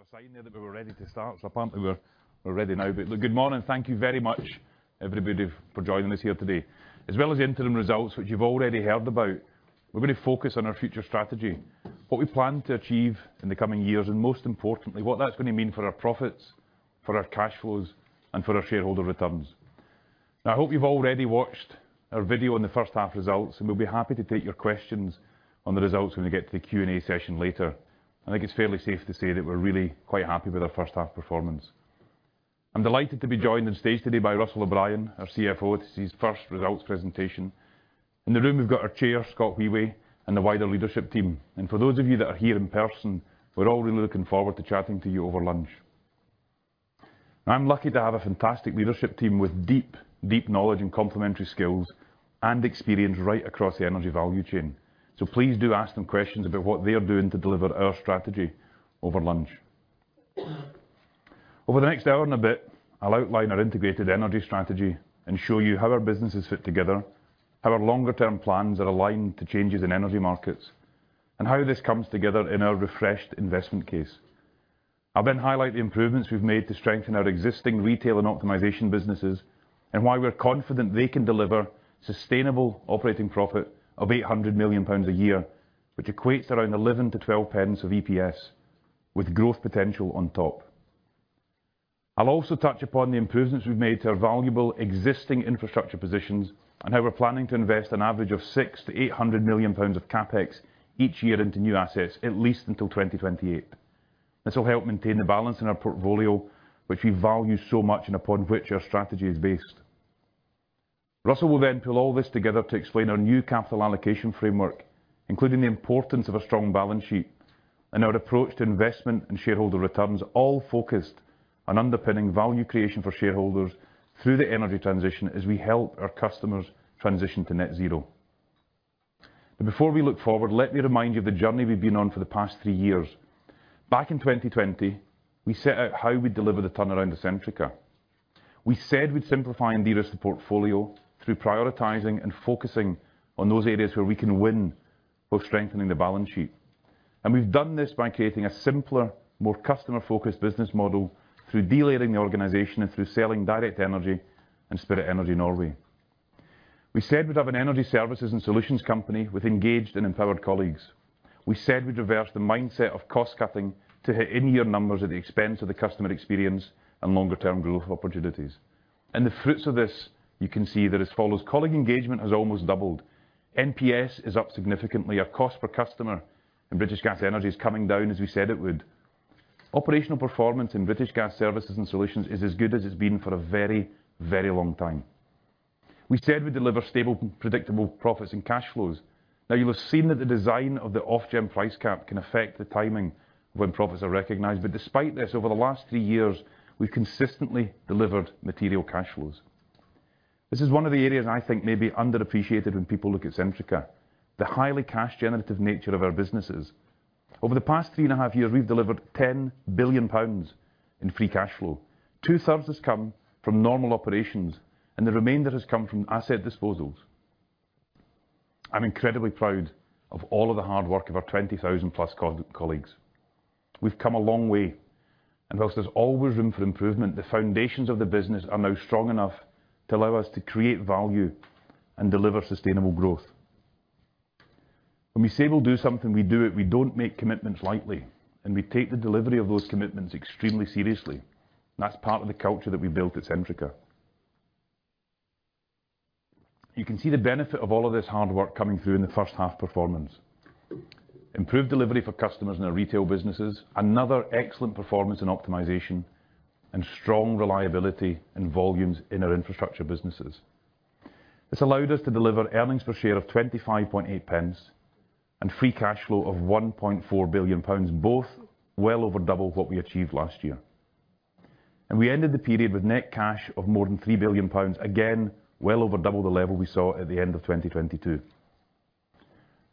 Waiting for a sign there that we were ready to start, apparently, we're ready now. Good morning, thank you very much, everybody, for joining us here today. As well as the interim results, which you've already heard about, we're going to focus on our future strategy, what we plan to achieve in the coming years, and most importantly, what that's going to mean for our profits, for our cash flows, and for our shareholder returns. Now, I hope you've already watched our video on the H1 results, and we'll be happy to take your questions on the results when we get to the Q&A session later. I think it's fairly safe to say that we're really quite happy with our H1 performance. I'm delighted to be joined on stage today by Russell O'Brien, our CFO, this is his first results presentation. In the room, we've got our chair, Scott Wheway, and the wider leadership team, and for those of you that are here in person, we're all really looking forward to chatting to you over lunch. I'm lucky to have a fantastic leadership team with deep, deep knowledge and complementary skills and experience right across the energy value chain. Please do ask them questions about what they are doing to deliver our strategy over lunch. Over the next hour and a bit, I'll outline our integrated energy strategy and show you how our businesses fit together, how our longer-term plans are aligned to changes in energy markets, and how this comes together in our refreshed investment case. I'll highlight the improvements we've made to strengthen our existing retail and optimization businesses, and why we're confident they can deliver sustainable operating profit of 800 million pounds a year, which equates around 11-12 pence of EPS, with growth potential on top. I'll also touch upon the improvements we've made to our valuable existing infrastructure positions and how we're planning to invest an average of 600 million-800 million pounds of CapEx each year into new assets, at least until 2028. This will help maintain the balance in our portfolio, which we value so much and upon which our strategy is based. Russell will pull all this together to explain our new capital allocation framework, including the importance of a strong balance sheet and our approach to investment and shareholder returns, all focused on underpinning value creation for shareholders through the energy transition as we help our customers transition to net zero. Before we look forward, let me remind you of the journey we've been on for the past three years. Back in 2020, we set out how we'd deliver the turnaround of Centrica. We said we'd simplify and de-risk the portfolio through prioritizing and focusing on those areas where we can win, while strengthening the balance sheet. We've done this by creating a simpler, more customer-focused business model through de-layering the organization and through selling Direct Energy and Spirit Energy Norway. We said we'd have an energy services and solutions company with engaged and empowered colleagues. We said we'd reverse the mindset of cost cutting to hit in-year numbers at the expense of the customer experience and longer-term growth opportunities. The fruits of this, you can see that as follows: colleague engagement has almost doubled, NPS is up significantly, our cost per customer in British Gas Energy is coming down, as we said it would. Operational performance in British Gas Services & Solutions is as good as it's been for a very, very long time. We said we'd deliver stable, predictable profits and cash flows. You will have seen that the design of the Ofgem price cap can affect the timing when profits are recognized. Despite this, over the last three years, we've consistently delivered material cash flows. This is one of the areas I think may be underappreciated when people look at Centrica, the highly cash generative nature of our businesses. Over the past three and a half years, we've delivered 10 billion pounds in free cash flow. 2/3s has come from normal operations, and the remainder has come from asset disposals. I'm incredibly proud of all of the hard work of our 20,000+ colleagues. We've come a long way, and while there's always room for improvement, the foundations of the business are now strong enough to allow us to create value and deliver sustainable growth. When we say we'll do something, we do it. We don't make commitments lightly, and we take the delivery of those commitments extremely seriously. That's part of the culture that we've built at Centrica. You can see the benefit of all of this hard work coming through in the H1 performance. Improved delivery for customers in our retail businesses, another excellent performance in optimization, and strong reliability and volumes in our infrastructure businesses. This allowed us to deliver earnings per share of 25.8 pence and free cash flow of 1.4 billion pounds, both well over double what we achieved last year. We ended the period with net cash of more than 3 billion pounds, again, well over double the level we saw at the end of 2022.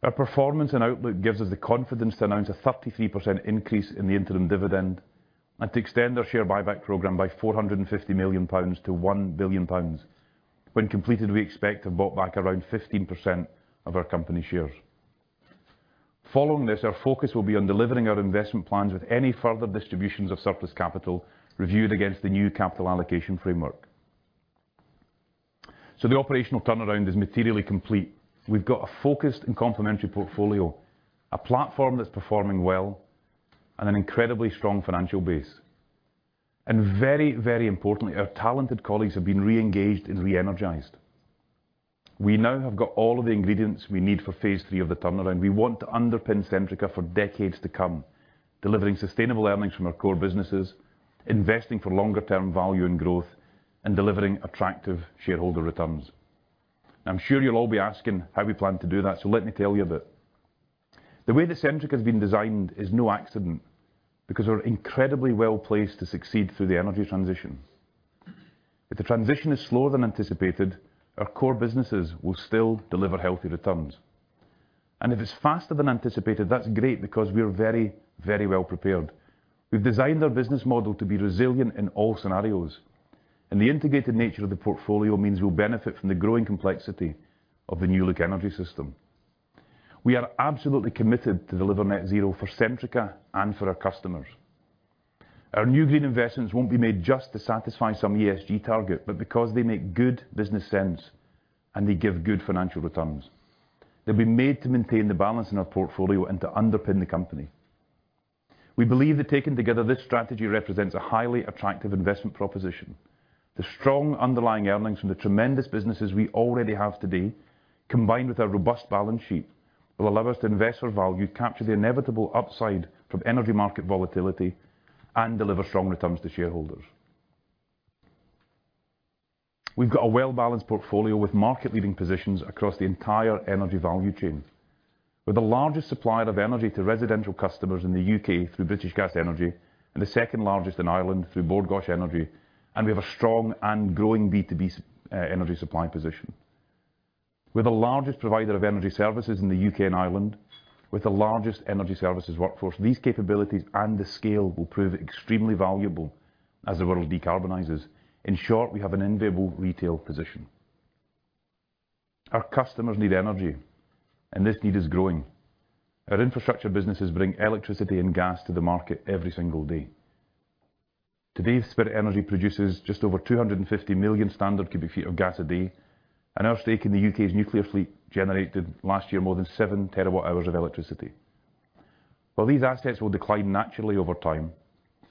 Our performance and outlook gives us the confidence to announce a 33% increase in the interim dividend and to extend our share buyback program by 450 million pounds to 1 billion pounds. When completed, we expect to have bought back around 15% of our company shares. Following this, our focus will be on delivering our investment plans, with any further distributions of surplus capital reviewed against the new capital allocation framework. The operational turnaround is materially complete. We've got a focused and complementary portfolio, a platform that's performing well, and an incredibly strong financial base. Very, very importantly, our talented colleagues have been re-engaged and re-energized. We now have got all of the ingredients we need for phase three of the turnaround. We want to underpin Centrica for decades to come, delivering sustainable earnings from our core businesses, investing for longer-term value and growth, and delivering attractive shareholder returns. I'm sure you'll all be asking how we plan to do that. Let me tell you a bit. The way that Centrica has been designed is no accident, because we're incredibly well-placed to succeed through the energy transition. If the transition is slower than anticipated, our core businesses will still deliver healthy returns. If it's faster than anticipated, that's great, because we are very, very well prepared. We've designed our business model to be resilient in all scenarios. The integrated nature of the portfolio means we'll benefit from the growing complexity of the new look energy system. We are absolutely committed to deliver net zero for Centrica and for our customers. Our new green investments won't be made just to satisfy some ESG target, but because they make good business sense, and they give good financial returns. They'll be made to maintain the balance in our portfolio and to underpin the company. We believe that, taken together, this strategy represents a highly attractive investment proposition. The strong underlying earnings from the tremendous businesses we already have today, combined with our robust balance sheet, will allow us to invest for value, capture the inevitable upside from energy market volatility, and deliver strong returns to shareholders. We've got a well-balanced portfolio with market-leading positions across the entire energy value chain. We're the largest supplier of energy to residential customers in the U.K. through British Gas Energy and the second largest in Ireland through Bord Gáis Energy, and we have a strong and growing B2B energy supply position. We're the largest provider of energy services in the U.K. and Ireland. We're the largest energy services workforce. These capabilities and the scale will prove extremely valuable as the world decarbonizes. In short, we have an enviable retail position. Our customers need energy, and this need is growing. Our infrastructure businesses bring electricity and gas to the market every single day. Today, Spirit Energy produces just over 250 million standard cubic feet of gas a day, and our stake in the U.K's nuclear fleet generated last year, more than 7 TWh of electricity. While these assets will decline naturally over time,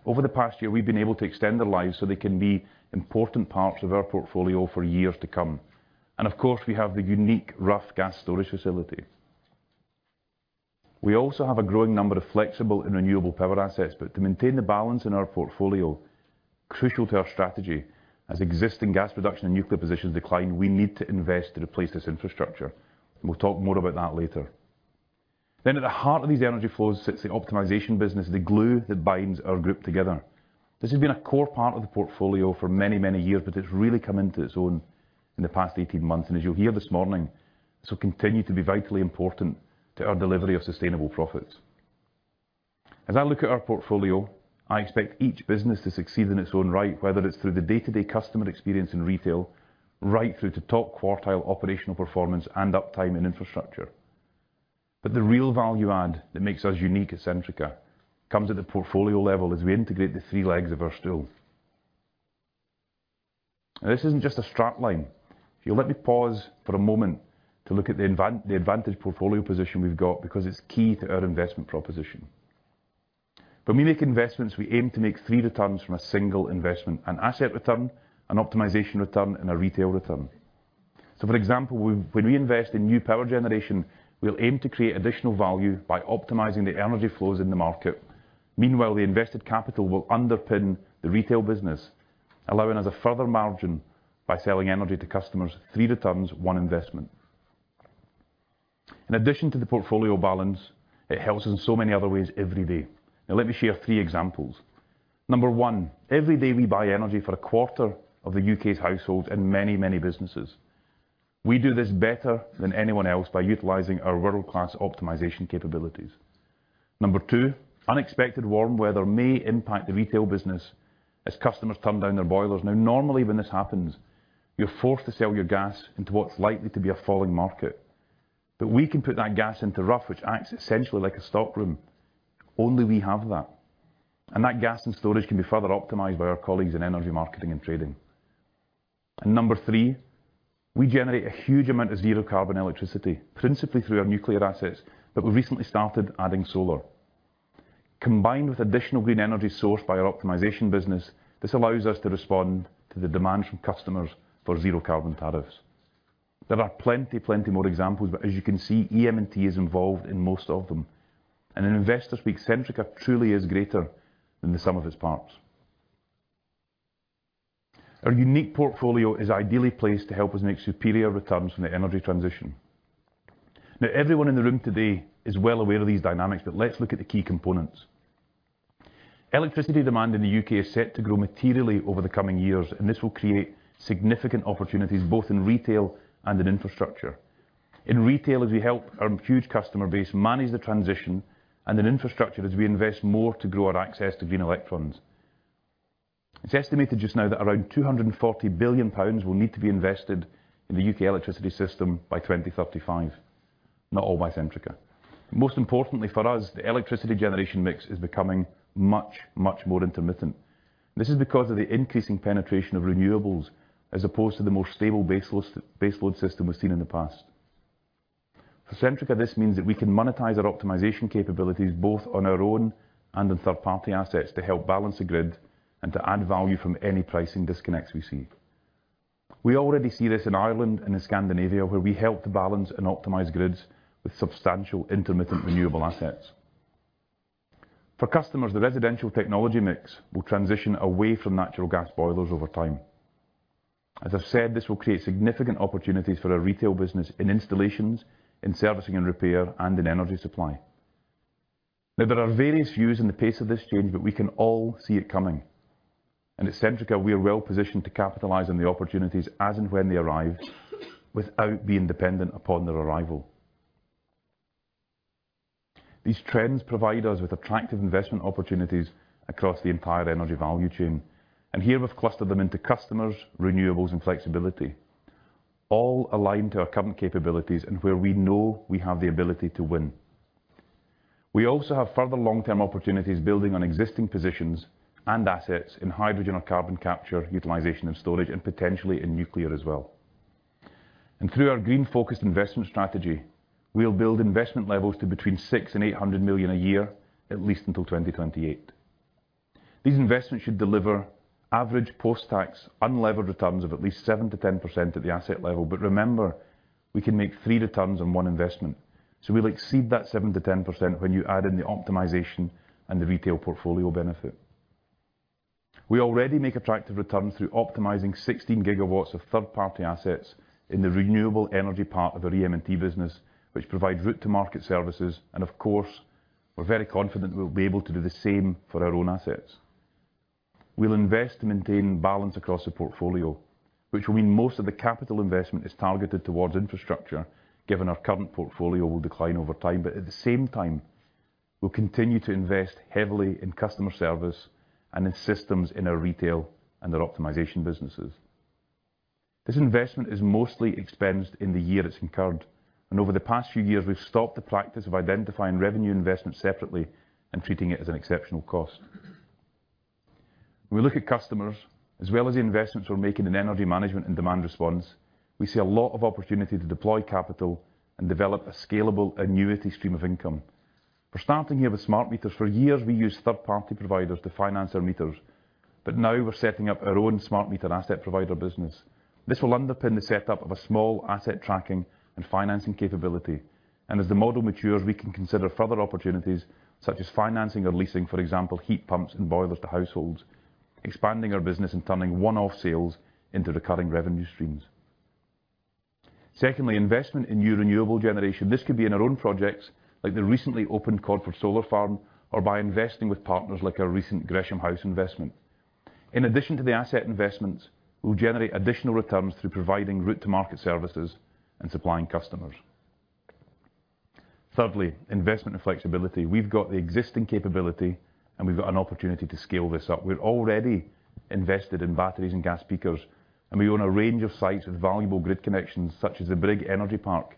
over the past year, we've been able to extend their lives so they can be important parts of our portfolio for years to come. Of course, we have the unique Rough Gas Storage facility. We also have a growing number of flexible and renewable power assets, but to maintain the balance in our portfolio, crucial to our strategy, as existing gas production and nuclear positions decline, we need to invest to replace this infrastructure. We'll talk more about that later. At the heart of these energy flows sits the optimization business, the glue that binds our group together. This has been a core part of the portfolio for many, many years, but it's really come into its own in the past 18 months, and as you'll hear this morning, this will continue to be vitally important to our delivery of sustainable profits. As I look at our portfolio, I expect each business to succeed in its own right, whether it's through the day-to-day customer experience in retail, right through to top-quartile operational performance and uptime in infrastructure. The real value add that makes us unique at Centrica comes at the portfolio level as we integrate the three legs of our stool. This isn't just a strap line. If you'll let me pause for a moment to look at the advantaged portfolio position we've got, because it's key to our investment proposition. When we make investments, we aim to make three returns from a single investment: an asset return, an optimization return, and a retail return. For example, when we invest in new power generation, we'll aim to create additional value by optimizing the energy flows in the market. Meanwhile, the invested capital will underpin the retail business, allowing us a further margin by selling energy to customers. Three returns, one investment. In addition to the portfolio balance, it helps us in so many other ways every day. Let me share three examples. Number one, every day we buy energy for a quarter of the U.K.'s households and many businesses. We do this better than anyone else by utilizing our world-class optimization capabilities. Number two, unexpected warm weather may impact the retail business as customers turn down their boilers. Normally, when this happens, you're forced to sell your gas into what's likely to be a falling market. We can put that gas into Rough, which acts essentially like a stockroom. Only we have that. That gas and storage can be further optimized by our colleagues in Energy Marketing & Trading. Number three, we generate a huge amount of zero-carbon electricity, principally through our nuclear assets, but we recently started adding solar. Combined with additional green energy sourced by our optimization business, this allows us to respond to the demands from customers for zero-carbon tariffs. There are plenty more examples. As you can see, EM&T is involved in most of them. In investor speak, Centrica truly is greater than the sum of its parts. Our unique portfolio is ideally placed to help us make superior returns from the energy transition. Everyone in the room today is well aware of these dynamics, but let's look at the key components. Electricity demand in the U.K. is set to grow materially over the coming years, and this will create significant opportunities both in retail and in infrastructure. In retail, as we help our huge customer base manage the transition, in infrastructure as we invest more to grow our access to green electrons. It's estimated just now that around 240 billion pounds will need to be invested in the U.K. electricity system by 2035, not all by Centrica. Most importantly for us, the electricity generation mix is becoming much, much more intermittent. This is because of the increasing penetration of renewables, as opposed to the more stable baseload system we've seen in the past. For Centrica, this means that we can monetize our optimization capabilities, both on our own and on third-party assets, to help balance the grid and to add value from any pricing disconnects we see. We already see this in Ireland and in Scandinavia, where we help to balance and optimize grids with substantial intermittent renewable assets. For customers, the residential technology mix will transition away from natural gas boilers over time. As I've said, this will create significant opportunities for our retail business in installations, in servicing and repair, and in energy supply. Now, there are various views on the pace of this change, but we can all see it coming. At Centrica, we are well positioned to capitalize on the opportunities as and when they arrive without being dependent upon their arrival. These trends provide us with attractive investment opportunities across the entire energy value chain, and here we've clustered them into customers, renewables, and flexibility, all aligned to our current capabilities and where we know we have the ability to win. We also have further long-term opportunities building on existing positions and assets in hydrogen or carbon capture, utilization, and storage, and potentially in nuclear as well. Through our green-focused investment strategy, we'll build investment levels to between 600 million-800 million a year, at least until 2028. These investments should deliver average post-tax unlevered returns of at least 7%-10% at the asset level. Remember, we can make three returns on one investment. We'll exceed that 7%-10% when you add in the optimization and the retail portfolio benefit. We already make attractive returns through optimizing 16 GW of third-party assets in the renewable energy part of our EM&T business, which provide route-to-market services. Of course, we're very confident we'll be able to do the same for our own assets. We'll invest to maintain balance across the portfolio, which will mean most of the capital investment is targeted towards infrastructure, given our current portfolio will decline over time. At the same time, we'll continue to invest heavily in customer service and in systems in our retail and our optimization businesses. This investment is mostly expensed in the year it's incurred. Over the past few years, we've stopped the practice of identifying revenue investment separately and treating it as an exceptional cost. When we look at customers, as well as the investments we're making in energy management and Demand-Side Response, we see a lot of opportunity to deploy capital and develop a scalable annuity stream of income. We're starting here with smart meters. For years, we used third-party providers to finance our meters. Now we're setting up our own Smart Meter Asset Provider business. This will underpin the setup of a small asset tracking and financing capability. As the model matures, we can consider further opportunities, such as financing or leasing, for example, heat pumps and boilers to households, expanding our business and turning one-off sales into recurring revenue streams. Secondly, investment in new renewable generation. This could be in our own projects, like the recently opened Codford Solar Farm, or by investing with partners like our recent Gresham House investment. In addition to the asset investments, we'll generate additional returns through providing route-to-market services and supplying customers. Thirdly, investment and flexibility. We've got the existing capability, and we've got an opportunity to scale this up. We're already invested in batteries and Gas Peakers, and we own a range of sites with valuable grid connections, such as the Brigg Energy Park,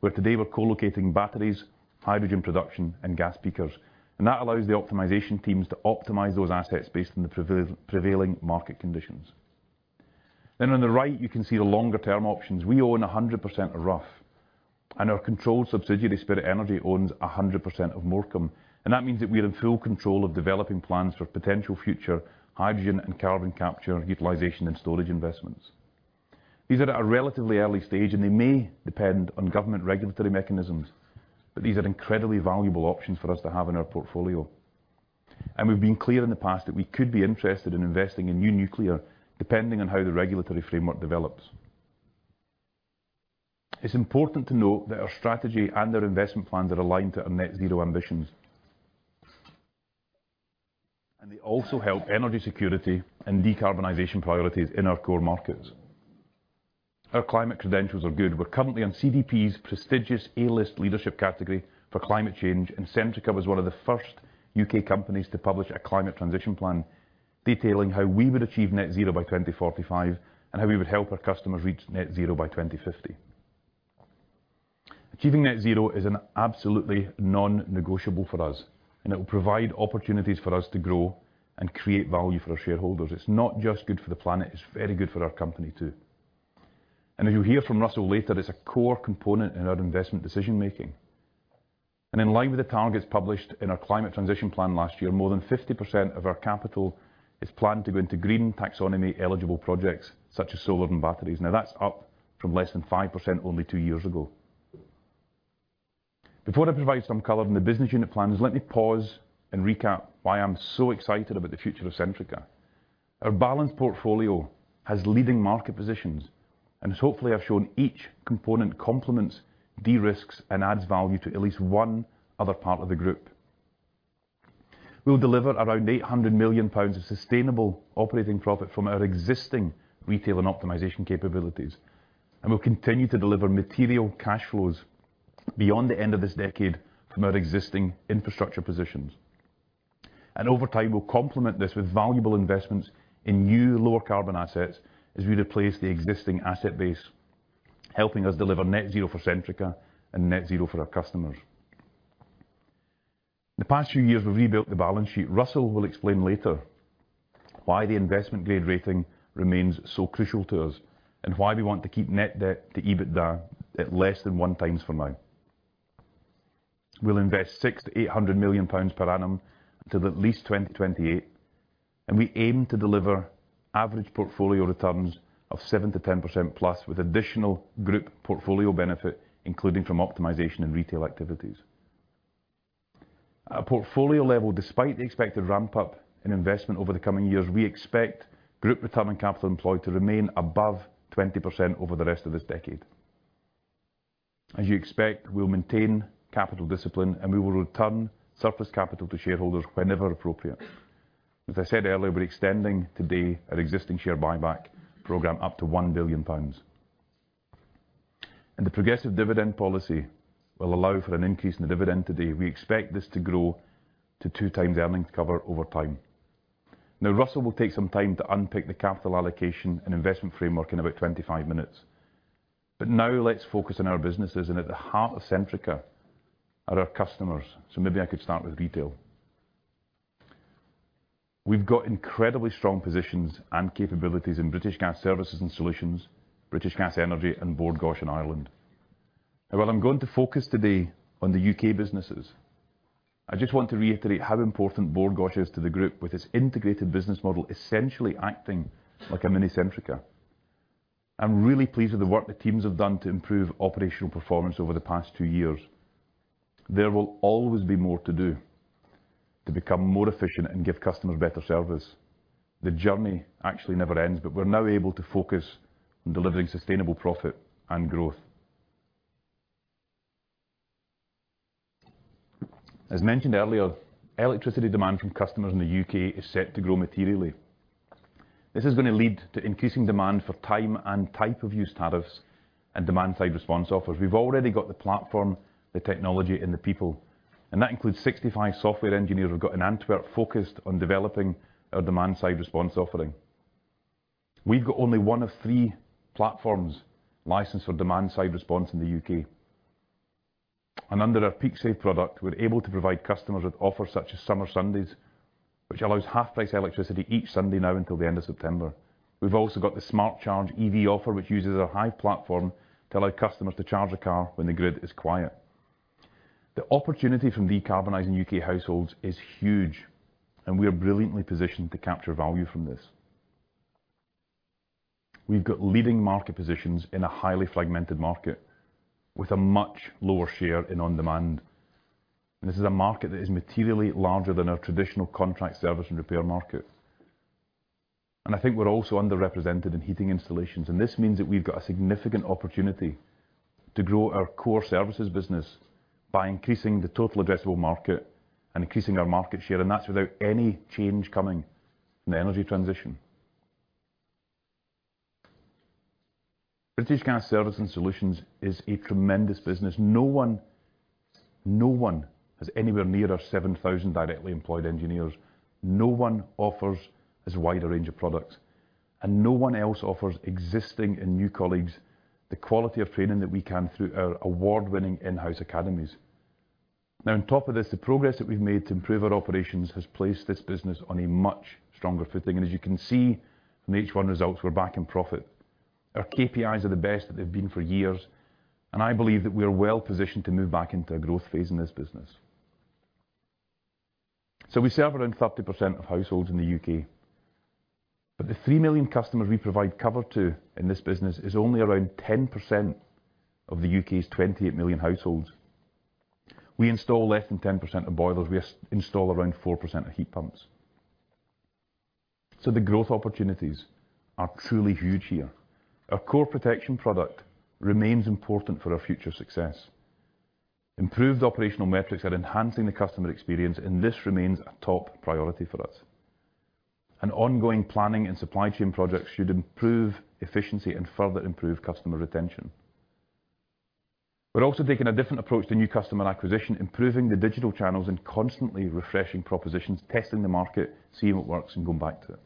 where today we're co-locating batteries, hydrogen production, and Gas Peakers. That allows the optimization teams to optimize those assets based on the prevailing market conditions. On the right, you can see the longer-term options. We own 100% of Rough, and our controlled subsidiary, Spirit Energy, owns 100% of Morecambe, and that means that we are in full control of developing plans for potential future hydrogen and carbon capture, utilization, and storage investments. These are at a relatively early stage, and they may depend on government regulatory mechanisms, but these are incredibly valuable options for us to have in our portfolio. We've been clear in the past that we could be interested in investing in new nuclear, depending on how the regulatory framework develops. It's important to note that our strategy and our investment plans are aligned to our net zero ambitions. They also help energy security and decarbonization priorities in our core markets. Our climate credentials are good. We're currently on CDP's prestigious A-List leadership category for climate change. Centrica was one of the first U.K companies to publish a climate transition plan, detailing how we would achieve net zero by 2045 and how we would help our customers reach net zero by 2050. Achieving net zero is an absolutely non-negotiable for us. It will provide opportunities for us to grow and create value for our shareholders. It's not just good for the planet, it's very good for our company, too. As you'll hear from Russell later, it's a core component in our investment decision making. In line with the targets published in our climate transition plan last year, more than 50% of our capital is planned to go into green taxonomy-eligible projects, such as solar and batteries. Now, that's up from less than 5% only two years ago. Before I provide some color on the business unit plans, let me pause and recap why I'm so excited about the future of Centrica. Our balanced portfolio has leading market positions, and as hopefully I've shown, each component complements, de-risks, and adds value to at least one other part of the group. We'll deliver around 800 million pounds of sustainable operating profit from our existing retail and optimization capabilities, and we'll continue to deliver material cash flows beyond the end of this decade from our existing infrastructure positions. Over time, we'll complement this with valuable investments in new lower-carbon assets as we replace the existing asset base, helping us deliver net zero for Centrica and net zero for our customers. In the past few years, we've rebuilt the balance sheet. Russell will explain later why the investment grade rating remains so crucial to us and why we want to keep net debt to EBITDA at less than 1x for now. We'll invest 600 million-800 million pounds per annum until at least 2028, and we aim to deliver average portfolio returns of 7%-10%+, with additional group portfolio benefit, including from optimization and retail activities. At a portfolio level, despite the expected ramp-up in investment over the coming years, we expect group return on capital employed to remain above 20% over the rest of this decade. As you expect, we'll maintain capital discipline, and we will return surplus capital to shareholders whenever appropriate. As I said earlier, we're extending today our existing share buyback program up to 1 billion pounds.... and the progressive dividend policy will allow for an increase in the dividend today. We expect this to grow to two times earnings cover over time. Now, Russell will take some time to unpick the capital allocation and investment framework in about 25 minutes. Now let's focus on our businesses, and at the heart of Centrica are our customers. Maybe I could start with retail. We've got incredibly strong positions and capabilities in British Gas Services and Solutions, British Gas Energy, and Bord Gáis in Ireland. Now, while I'm going to focus today on the U.K. businesses, I just want to reiterate how important Bord Gáis is to the group, with its integrated business model, essentially acting like a mini Centrica. I'm really pleased with the work the teams have done to improve operational performance over the past two years. There will always be more to do to become more efficient and give customers better service. The journey actually never ends, but we're now able to focus on delivering sustainable profit and growth. As mentioned earlier, electricity demand from customers in the U.K. is set to grow materially. This is going to lead to increasing demand for time and type of use tariffs and Demand-Side Response offers. We've already got the platform, the technology, and the people, and that includes 65 software engineers we've got in Antwerp, focused on developing our Demand-Side Response offering. We've got only 1 of 3 platforms licensed for Demand-Side Response in the U.K. Under our PeakSave product, we're able to provide customers with offers such as Summer Sundays, which allows half-price electricity each Sunday now until the end of September. We've also got the SmartCharge EV offer, which uses our Hive platform to allow customers to charge their car when the grid is quiet. The opportunity from decarbonizing U.K. households is huge. We are brilliantly positioned to capture value from this. We've got leading market positions in a highly fragmented market, with a much lower share in on-demand. This is a market that is materially larger than our traditional contract service and repair market. I think we're also underrepresented in heating installations. This means that we've got a significant opportunity to grow our core services business by increasing the total addressable market and increasing our market share. That's without any change coming from the energy transition. British Gas Services & Solutions is a tremendous business. No one has anywhere near our 7,000 directly employed engineers. No one offers as wide a range of products, and no one else offers existing and new colleagues the quality of training that we can through our award-winning in-house academies. On top of this, the progress that we've made to improve our operations has placed this business on a much stronger footing. As you can see from the H1 results, we're back in profit. Our KPIs are the best that they've been for years, and I believe that we are well positioned to move back into a growth phase in this business. We serve around 30% of households in the U.K., but the three million customers we provide cover to in this business is only around 10% of the U.K.'s 28 million households. We install less than 10% of boilers. We install around 4% of heat pumps. The growth opportunities are truly huge here. Our core protection product remains important for our future success. Improved operational metrics are enhancing the customer experience, and this remains a top priority for us. An ongoing planning and supply chain project should improve efficiency and further improve customer retention. We're also taking a different approach to new customer acquisition, improving the digital channels and constantly refreshing propositions, testing the market, seeing what works, and going back to it.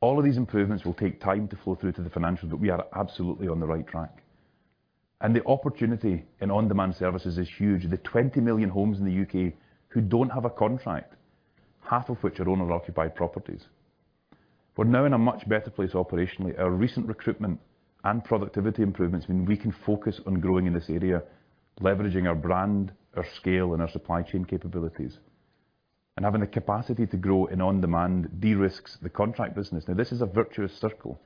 All of these improvements will take time to flow through to the financials, but we are absolutely on the right track. The opportunity in on-demand services is huge. The 20 million homes in the U.K. who don't have a contract, half of which are owner-occupied properties. We're now in a much better place operationally. Our recent recruitment and productivity improvements mean we can focus on growing in this area, leveraging our brand, our scale, and our supply chain capabilities, and having the capacity to grow in on demand de-risks the contract business. This is a virtuous circle.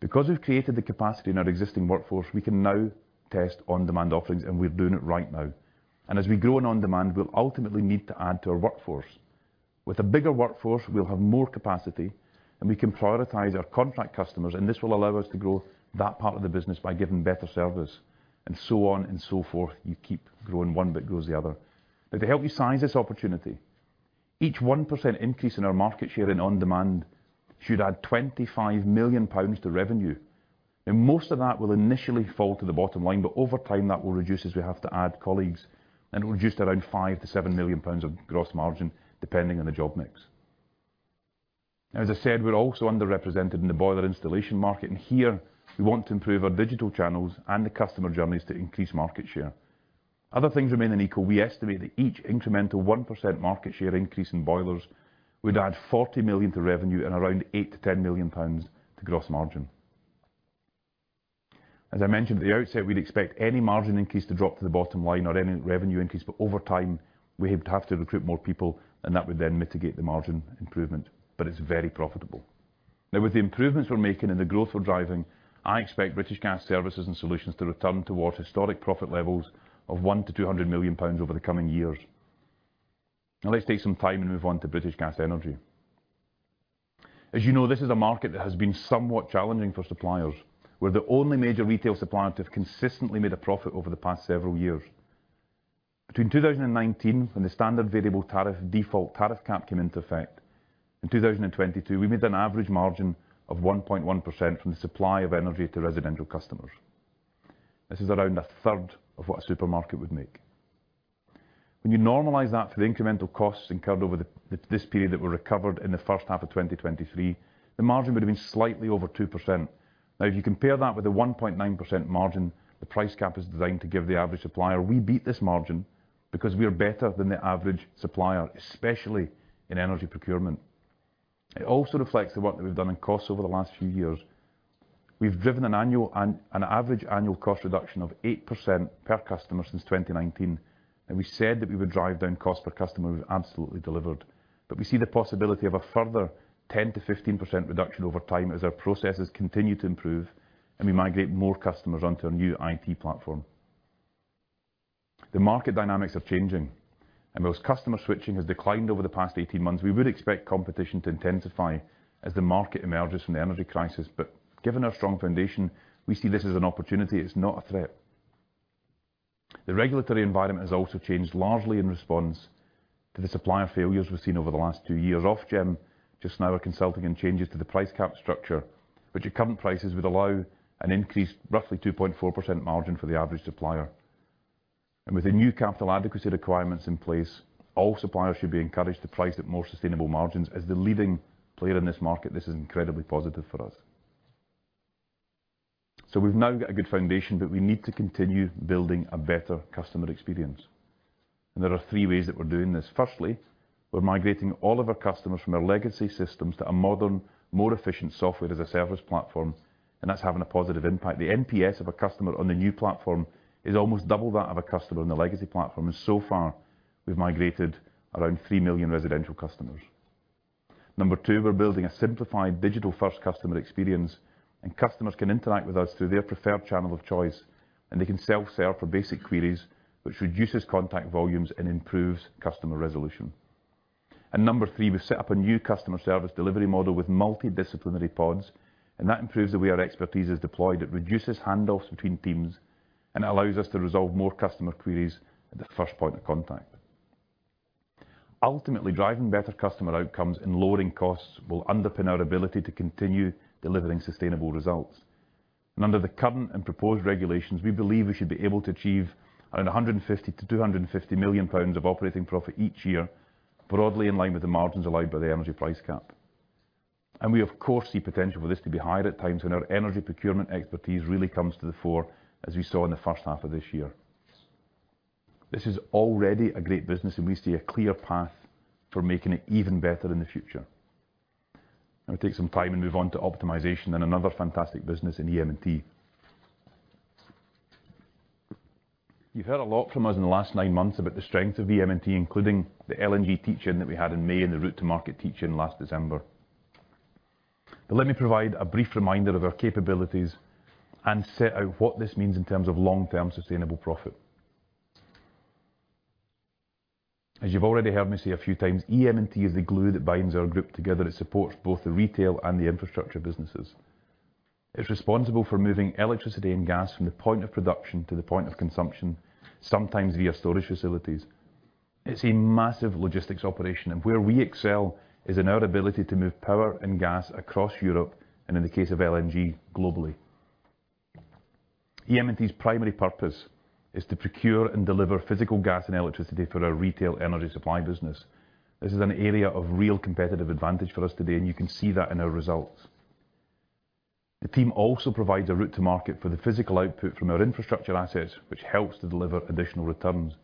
Because we've created the capacity in our existing workforce, we can now test on-demand offerings, and we're doing it right now. As we grow in on demand, we'll ultimately need to add to our workforce. With a bigger workforce, we'll have more capacity, and we can prioritize our contract customers, and this will allow us to grow that part of the business by giving better service and so on and so forth. You keep growing, one bit grows the other. To help you size this opportunity, each 1% increase in our market share in on-demand should add 25 million pounds to revenue, most of that will initially fall to the bottom line, over time, that will reduce as we have to add colleagues, it will reduce to around 5 million-7 million pounds of gross margin, depending on the job mix. As I said, we're also underrepresented in the boiler installation market, here we want to improve our digital channels and the customer journeys to increase market share. Other things remaining equal, we estimate that each incremental 1% market share increase in boilers would add 40 million to revenue and around 8 million-10 million pounds to gross margin. As I mentioned at the outset, we'd expect any margin increase to drop to the bottom line or any revenue increase, but over time, we would have to recruit more people, and that would then mitigate the margin improvement. It's very profitable. With the improvements we're making and the growth we're driving, I expect British Gas Services & Solutions to return towards historic profit levels of 100 million-200 million pounds over the coming years. Let's take some time and move on to British Gas Energy. As you know, this is a market that has been somewhat challenging for suppliers. We're the only major retail supplier to have consistently made a profit over the past several years.... Between 2019, when the standard variable tariff Default Tariff Cap came into effect, in 2022, we made an average margin of 1.1% from the supply of energy to residential customers. This is around a third of what a supermarket would make. When you normalize that for the incremental costs incurred over this period that were recovered in the H1 of 2023, the margin would have been slightly over 2%. If you compare that with the 1.9% margin, the Energy Price Cap is designed to give the average supplier, we beat this margin because we are better than the average supplier, especially in energy procurement. It also reflects the work that we've done in costs over the last few years. We've driven an annual and an average annual cost reduction of 8% per customer since 2019. We said that we would drive down cost per customer. We've absolutely delivered. We see the possibility of a further 10%-15% reduction over time as our processes continue to improve and we migrate more customers onto our new IT platform. The market dynamics are changing. Whilst customer switching has declined over the past 18 months, we would expect competition to intensify as the market emerges from the energy crisis. Given our strong foundation, we see this as an opportunity, it's not a threat. The regulatory environment has also changed, largely in response to the supplier failures we've seen over the last two years. Ofgem, just now, are consulting in changes to the price cap structure, which at current prices, would allow an increased, roughly 2.4% margin for the average supplier. With the new capital adequacy requirements in place, all suppliers should be encouraged to price at more sustainable margins. As the leading player in this market, this is incredibly positive for us. We've now got a good foundation, but we need to continue building a better customer experience, and there are three ways that we're doing this. Firstly, we're migrating all of our customers from our legacy systems to a modern, more efficient software as a service platform, and that's having a positive impact. The NPS of a customer on the new platform is almost double that of a customer on the legacy platform, and so far, we've migrated around 3 million residential customers. Number two, we're building a simplified digital-first customer experience, and customers can interact with us through their preferred channel of choice, and they can self-serve for basic queries, which reduces contact volumes and improves customer resolution. Number three, we've set up a new customer service delivery model with multidisciplinary pods, and that improves the way our expertise is deployed. It reduces handoffs between teams and allows us to resolve more customer queries at the first point of contact. Ultimately, driving better customer outcomes and lowering costs will underpin our ability to continue delivering sustainable results. Under the current and proposed regulations, we believe we should be able to achieve around 150 million-250 million pounds of operating profit each year, broadly in line with the margins allowed by the Energy Price Cap. We, of course, see potential for this to be higher at times when our energy procurement expertise really comes to the fore, as we saw in the H1 of this year. This is already a great business, and we see a clear path for making it even better in the future. Let me take some time and move on to optimization and another fantastic business in EM&T. You've heard a lot from us in the last nine months about the strength of EM&T, including the LNG teach-in that we had in May and the Route-to-Market teach-in last December. Let me provide a brief reminder of our capabilities and set out what this means in terms of long-term sustainable profit. As you've already heard me say a few times, EM&T is the glue that binds our group together. It supports both the retail and the infrastructure businesses. It's responsible for moving electricity and gas from the point of production to the point of consumption, sometimes via storage facilities. It's a massive logistics operation. Where we excel is in our ability to move power and gas across Europe, and in the case of LNG, globally. EM&T's primary purpose is to procure and deliver physical gas and electricity for our retail energy supply business. This is an area of real competitive advantage for us today, and you can see that in our results. The team also provides a route to market for the physical output from our infrastructure assets, which helps to deliver additional returns.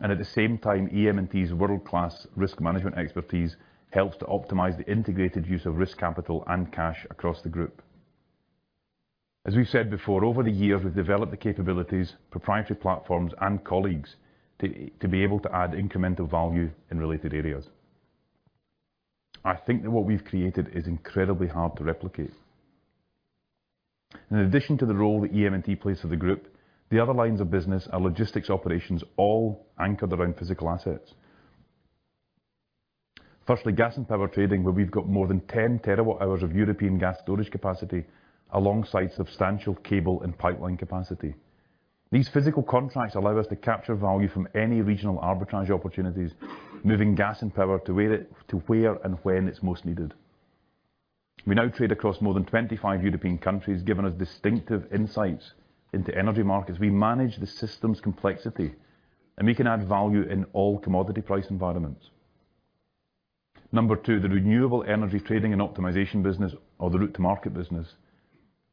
At the same time, EM&T's world-class risk management expertise helps to optimize the integrated use of risk, capital, and cash across the group. As we've said before, over the years, we've developed the capabilities, proprietary platforms, and colleagues to be able to add incremental value in related areas. I think that what we've created is incredibly hard to replicate. In addition to the role that EM&T plays for the group, the other lines of business are logistics operations, all anchored around physical assets. Firstly, gas and power trading, where we've got more than 10 TWh of European gas storage capacity, alongside substantial cable and pipeline capacity. These physical contracts allow us to capture value from any regional arbitrage opportunities, moving gas and power to where and when it's most needed. We now trade across more than 25 European countries, giving us distinctive insights into energy markets. We manage the system's complexity, and we can add value in all commodity price environments. Number two, the renewable energy trading and optimization business, or the Route-to-Market business,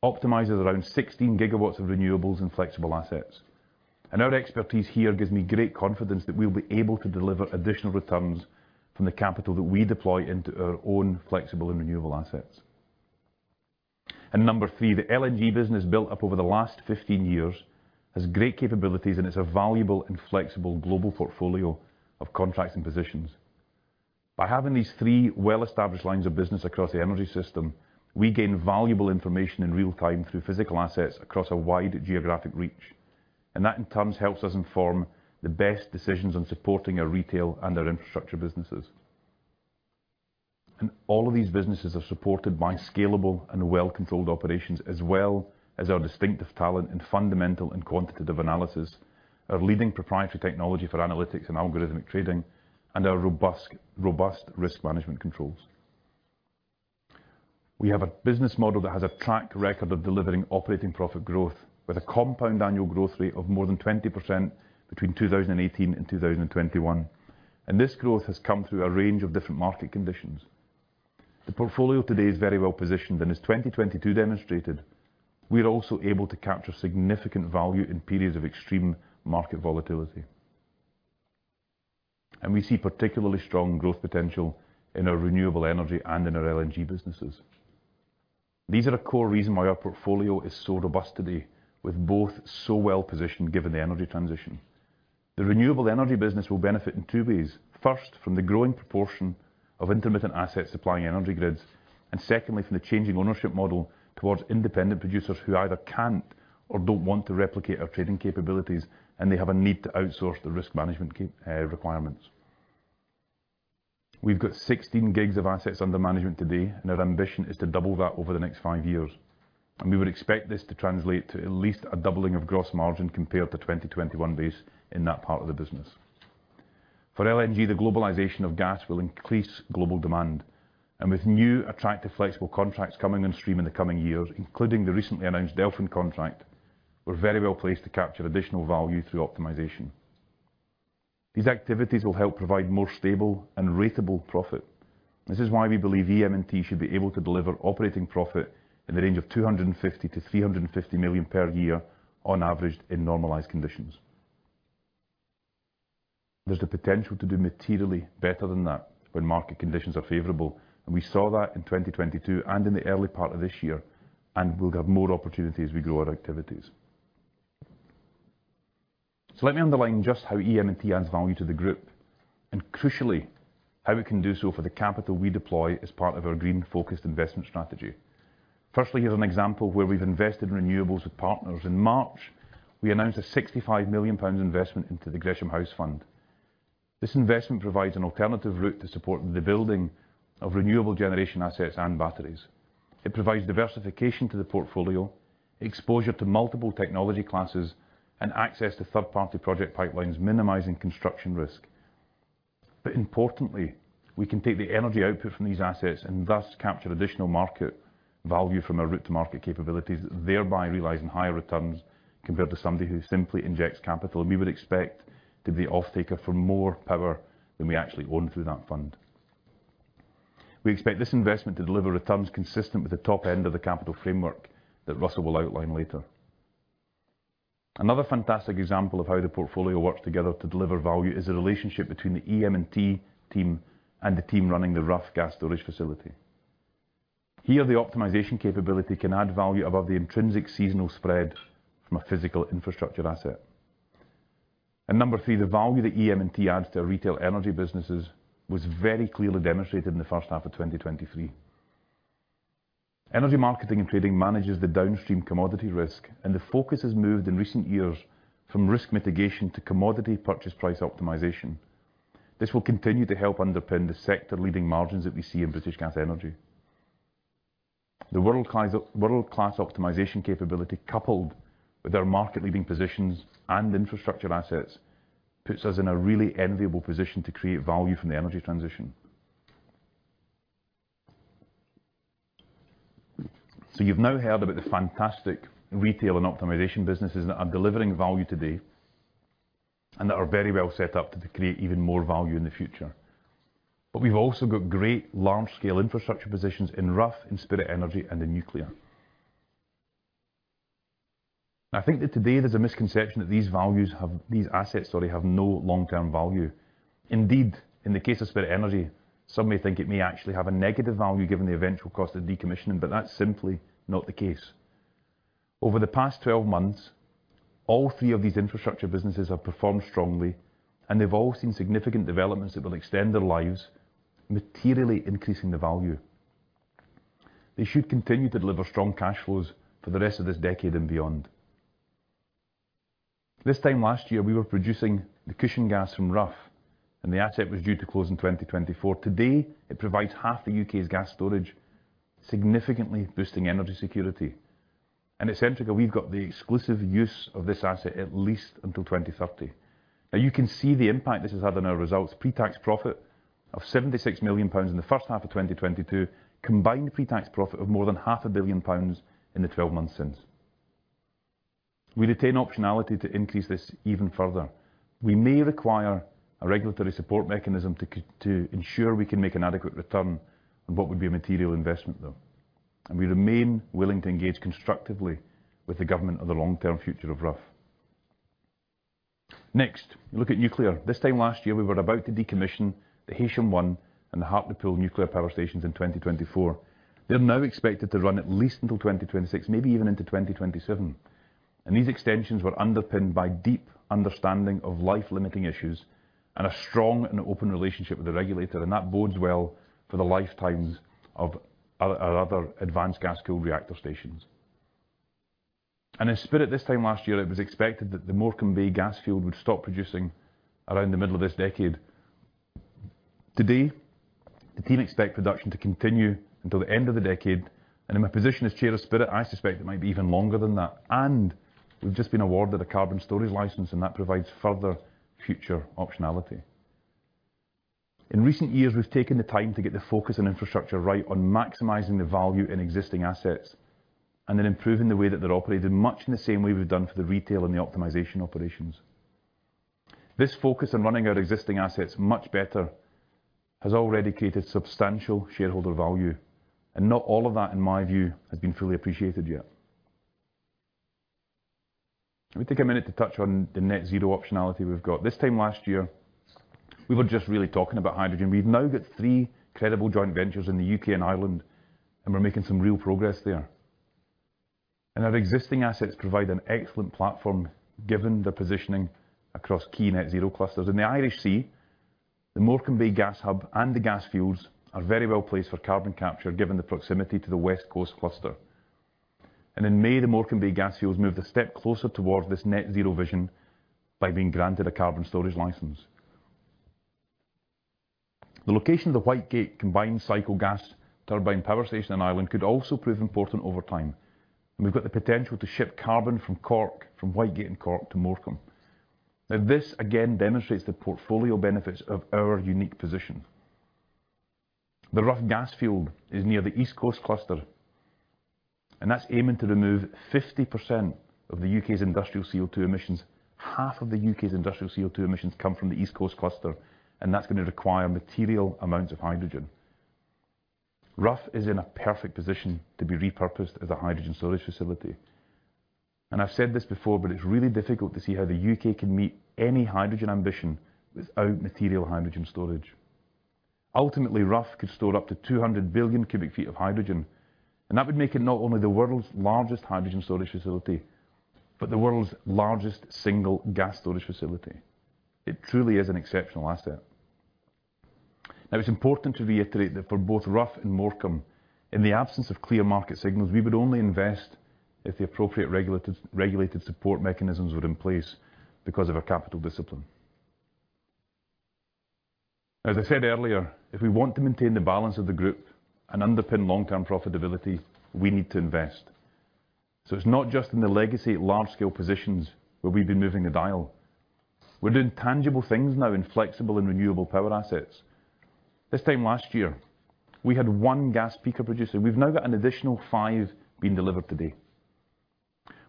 optimizes around 16 GW of renewables and flexible assets, and our expertise here gives me great confidence that we'll be able to deliver additional returns from the capital that we deploy into our own flexible and renewable assets. Number three, the LNG business, built up over the last 15 years, has great capabilities, and it's a valuable and flexible global portfolio of contracts and positions. By having these three well-established lines of business across the energy system, we gain valuable information in real time through physical assets across a wide geographic reach, and that, in turn, helps us inform the best decisions on supporting our retail and our infrastructure businesses. All of these businesses are supported by scalable and well-controlled operations, as well as our distinctive talent in fundamental and quantitative analysis, our leading proprietary technology for analytics and algorithmic trading, and our robust risk management controls. We have a business model that has a track record of delivering operating profit growth, with a compound annual growth rate of more than 20% between 2018 and 2021, and this growth has come through a range of different market conditions. The portfolio today is very well positioned, and as 2022 demonstrated, we are also able to capture significant value in periods of extreme market volatility. We see particularly strong growth potential in our renewable energy and in our LNG businesses. These are a core reason why our portfolio is so robust today, with both so well positioned given the energy transition. The renewable energy business will benefit in two ways: first, from the growing proportion of intermittent assets supplying energy grids, and secondly, from the changing ownership model towards independent producers who either can't or don't want to replicate our trading capabilities, and they have a need to outsource the risk management requirements. We've got 16 gigs of assets under management today, and our ambition is to double that over the next five years, and we would expect this to translate to at least a doubling of gross margin compared to 2021 base in that part of the business. For LNG, the globalization of gas will increase global demand, and with new attractive, flexible contracts coming on stream in the coming years, including the recently announced Delfin contract, we're very well placed to capture additional value through optimization. These activities will help provide more stable and ratable profit. This is why we believe EM&T should be able to deliver operating profit in the range of 250 million-350 million per year on average in normalized conditions. There's the potential to do materially better than that when market conditions are favorable, and we saw that in 2022 and in the early part of this year, and we'll have more opportunity as we grow our activities. Let me underline just how EM&T adds value to the group and, crucially, how we can do so for the capital we deploy as part of our green-focused investment strategy. Firstly, here's an example where we've invested in renewables with partners. In March, we announced a 65 million pounds investment into the Gresham House Fund. This investment provides an alternative route to support the building of renewable generation assets and batteries. It provides diversification to the portfolio, exposure to multiple technology classes, and access to third-party project pipelines, minimizing construction risk. Importantly, we can take the energy output from these assets and thus capture additional market value from our Route-to-Market capabilities, thereby realizing higher returns compared to somebody who simply injects capital. We would expect to be an offtaker for more power than we actually own through that fund. We expect this investment to deliver returns consistent with the top end of the capital framework that Russell will outline later. Another fantastic example of how the portfolio works together to deliver value is the relationship between the EM&T team and the team running the Rough Gas Storage facility. Here, the optimization capability can add value above the intrinsic seasonal spread from a physical infrastructure asset. Number three, the value that EM&T adds to our retail energy businesses was very clearly demonstrated in the H1 of 2023. Energy Marketing & Trading manages the downstream commodity risk, and the focus has moved in recent years from risk mitigation to commodity purchase price optimization. This will continue to help underpin the sector-leading margins that we see in British Gas Energy. The world-class optimization capability, coupled with our market-leading positions and infrastructure assets, puts us in a really enviable position to create value from the energy transition. You've now heard about the fantastic retail and optimization businesses that are delivering value today and that are very well set up to create even more value in the future. But we've also got great large-scale infrastructure positions in Rough, in Spirit Energy, and in nuclear. I think that today there's a misconception that these values, these assets, sorry, have no long-term value. Indeed, in the case of Spirit Energy, some may think it may actually have a negative value given the eventual cost of decommissioning. That's simply not the case. Over the past 12 months, all three of these infrastructure businesses have performed strongly. They've all seen significant developments that will extend their lives, materially increasing the value. They should continue to deliver strong cash flows for the rest of this decade and beyond. This time last year, we were producing the cushion gas from Rough. The asset was due to close in 2024. Today, it provides half the U.K.'s gas storage, significantly boosting energy security. At Centrica, we've got the exclusive use of this asset at least until 2030. You can see the impact this has had on our results. Pre-tax profit of 76 million pounds in the H1 of 2022, combined pre-tax profit of more than half a billion pounds in the 12 months since. We retain optionality to increase this even further. We may require a regulatory support mechanism to ensure we can make an adequate return on what would be a material investment, though, and we remain willing to engage constructively with the government on the long-term future of Rough. Look at nuclear. This time last year, we were about to decommission the Heysham 1 and the Hartlepool nuclear power stations in 2024. They're now expected to run at least until 2026, maybe even into 2027. These extensions were underpinned by deep understanding of life-limiting issues and a strong and open relationship with the regulator. That bodes well for the lifetimes of our other Advanced Gas-cooled Reactor stations. In Spirit this time last year, it was expected that the Morecambe Bay gas field would stop producing around the middle of this decade. Today, the team expect production to continue until the end of the decade. In my position as chair of Spirit, I suspect it might be even longer than that. We've just been awarded a carbon storage license, and that provides further future optionality. In recent years, we've taken the time to get the focus on infrastructure right on maximizing the value in existing assets and then improving the way that they're operated, much in the same way we've done for the retail and the optimization operations. This focus on running our existing assets much better has already created substantial shareholder value, and not all of that, in my view, has been fully appreciated yet. Let me take a minute to touch on the net zero optionality we've got. This time last year, we were just really talking about hydrogen. We've now got three credible joint ventures in the U.K. and Ireland, and we're making some real progress there. Our existing assets provide an excellent platform, given their positioning across key net zero clusters. In the Irish Sea, the Morecambe Bay gas hub and the gas fields are very well placed for carbon capture, given the proximity to the West Coast Cluster. In May, the Morecambe Bay gas fields moved a step closer towards this net zero vision by being granted a carbon storage license. The location of the Whitegate combined-cycle gas turbine power station in Ireland could also prove important over time. We've got the potential to ship carbon from Cork, from Whitegate and Cork to Morecambe. This again demonstrates the portfolio benefits of our unique position. The Rough gas field is near the East Coast Cluster, and that's aiming to remove 50% of the U.K.'s industrial CO₂ emissions. Half of the U.K.'s industrial CO₂ emissions come from the East Coast Cluster, and that's going to require material amounts of hydrogen. Rough is in a perfect position to be repurposed as a hydrogen storage facility. I've said this before, but it's really difficult to see how the U.K. can meet any hydrogen ambition without material hydrogen storage. Ultimately, Rough could store up to 200 billion cubic feet of hydrogen, and that would make it not only the world's largest hydrogen storage facility, but the world's largest single gas storage facility. It truly is an exceptional asset. It's important to reiterate that for both Rough and Morecambe, in the absence of clear market signals, we would only invest if the appropriate regulated support mechanisms were in place because of our capital discipline. I said earlier, if we want to maintain the balance of the group and underpin long-term profitability, we need to invest. It's not just in the legacy large-scale positions where we've been moving the dial. We're doing tangible things now in flexible and renewable power assets. This time last year, we had one Gas Peaker producer. We've now got an additional five being delivered today.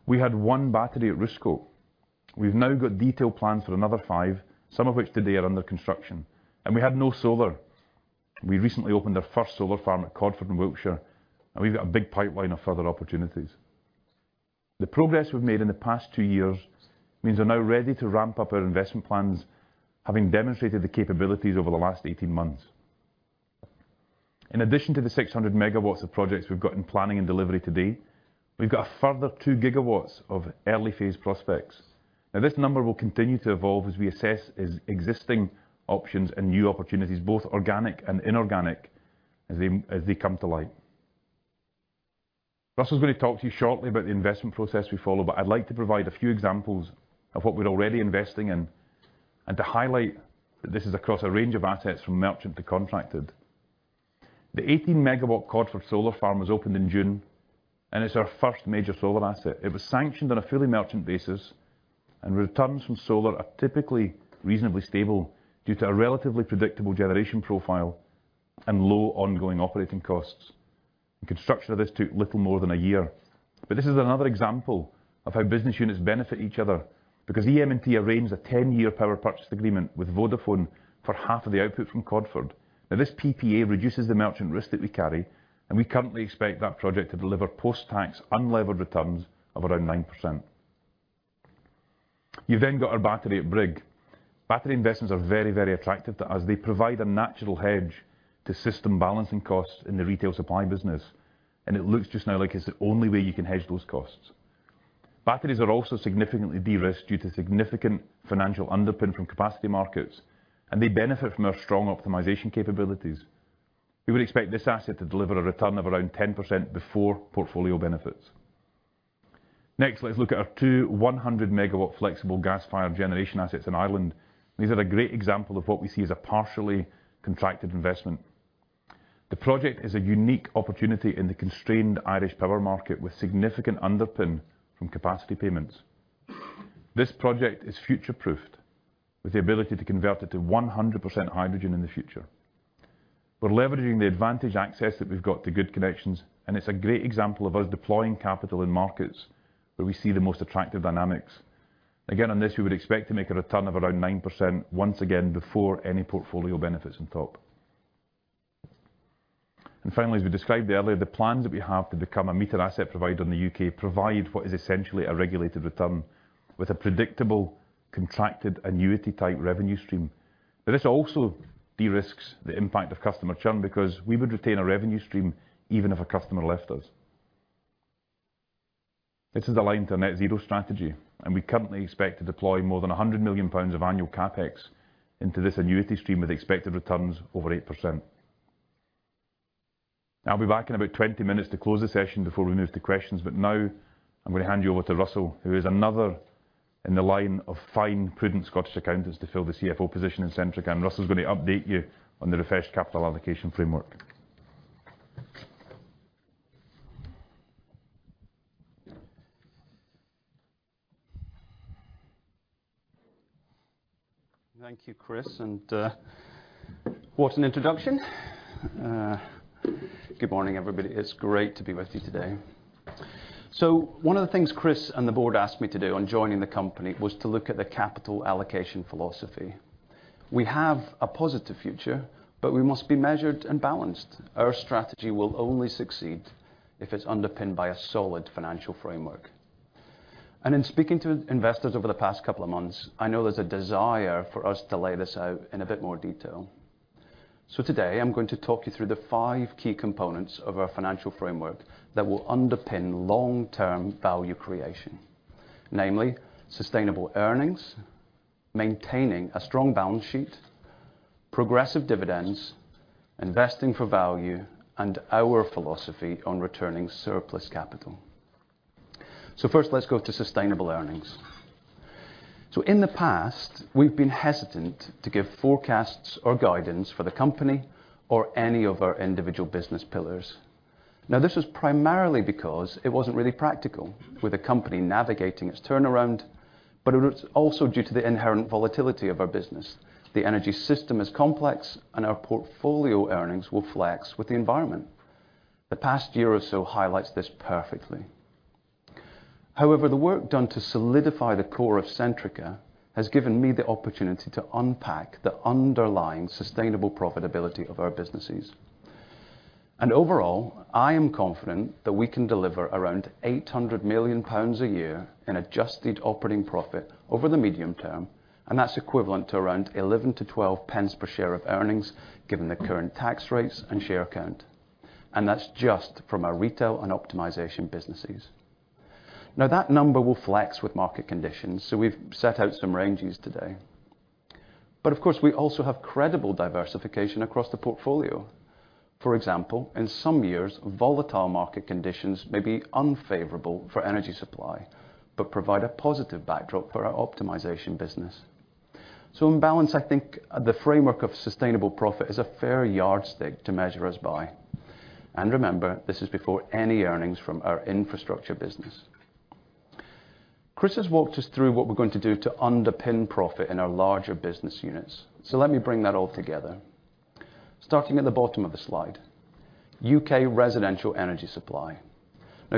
We had one battery at Riskow. We've now got detailed plans for another five, some of which today are under construction. We had no solar. We recently opened our first solar farm at Codford in Wiltshire, and we've got a big pipeline of further opportunities. The progress we've made in the past two years means we're now ready to ramp up our investment plans, having demonstrated the capabilities over the last 18 months. In addition to the 600 MW of projects we've got in planning and delivery today, we've got a further 2 GW of early-phase prospects. Now, this number will continue to evolve as we assess existing options and new opportunities, both organic and inorganic, as they come to light. Russel is going to talk to you shortly about the investment process we follow, but I'd like to provide a few examples of what we're already investing in and to highlight that this is across a range of assets from merchant to contracted. The 18 MW Codford Solar Farm was opened in June, and it's our first major solar asset. It was sanctioned on a fully merchant basis, and returns from solar are typically reasonably stable due to a relatively predictable generation profile and low ongoing operating costs. The construction of this took little more than a year. This is another example of how business units benefit each other because EM&T arranged a 10-year power purchase agreement with Vodafone for half of the output from Codford. This PPA reduces the merchant risk that we carry, and we currently expect that project to deliver post-tax unlevered returns of around 9%. You've then got our battery at Brigg. Battery investments are very, very attractive to us. They provide a natural hedge to system balancing costs in the retail supply business, and it looks just now like it's the only way you can hedge those costs. Batteries are also significantly de-risked due to significant financial underpin from capacity markets, and they benefit from our strong optimization capabilities. We would expect this asset to deliver a return of around 10% before portfolio benefits. Next, let's look at our two 100 MW flexible gas-fired generation assets in Ireland. These are a great example of what we see as a partially contracted investment. The project is a unique opportunity in the constrained Irish power market, with significant underpin from capacity payments. This project is future-proofed with the ability to convert it to 100% hydrogen in the future. We're leveraging the advantage access that we've got to good connections, and it's a great example of us deploying capital in markets where we see the most attractive dynamics. On this, we would expect to make a return of around 9%, once again, before any portfolio benefits on top. Finally, as we described earlier, the plans that we have to become a Meter Asset Provider in the U.K. provide what is essentially a regulated return with a predictable, contracted, annuity-type revenue stream. This also de-risks the impact of customer churn because we would retain a revenue stream even if a customer left us. This is aligned to our net zero strategy. We currently expect to deploy more than 100 million pounds of annual CapEx into this annuity stream, with expected returns over 8%. I'll be back in about 20 minutes to close the session before we move to questions. Now I'm gonna hand you over to Russell, who is another in the line of fine, prudent Scottish accountants to fill the CFO position in Centrica. Russell is going to update you on the refreshed capital allocation framework. Thank you, Chris, what an introduction. Good morning, everybody. It's great to be with you today. One of the things Chris and the board asked me to do on joining the company was to look at the capital allocation philosophy. We have a positive future, we must be measured and balanced. Our strategy will only succeed if it's underpinned by a solid financial framework. In speaking to investors over the past couple of months, I know there's a desire for us to lay this out in a bit more detail. Today, I'm going to talk you through the five key components of our financial framework that will underpin long-term value creation. Namely, sustainable earnings, maintaining a strong balance sheet, progressive dividends, investing for value, and our philosophy on returning surplus capital. First, let's go to sustainable earnings. In the past, we've been hesitant to give forecasts or guidance for the company or any of our individual business pillars. This was primarily because it wasn't really practical for the company navigating its turnaround, but it was also due to the inherent volatility of our business. The energy system is complex, and our portfolio earnings will flex with the environment. The past year or so highlights this perfectly. However, the work done to solidify the core of Centrica has given me the opportunity to unpack the underlying sustainable profitability of our businesses. Overall, I am confident that we can deliver around 800 million pounds a year in adjusted operating profit over the medium term, and that's equivalent to around 11-12 pence per share of earnings, given the current tax rates and share count, and that's just from our retail and optimization businesses. That number will flex with market conditions, so we've set out some ranges today. Of course, we also have credible diversification across the portfolio. For example, in some years, volatile market conditions may be unfavorable for energy supply, but provide a positive backdrop for our optimization business. In balance, I think the framework of sustainable profit is a fair yardstick to measure us by. Remember, this is before any earnings from our infrastructure business. Chris has walked us through what we're going to do to underpin profit in our larger business units. Let me bring that all together. Starting at the bottom of the slide, U.K. residential energy supply.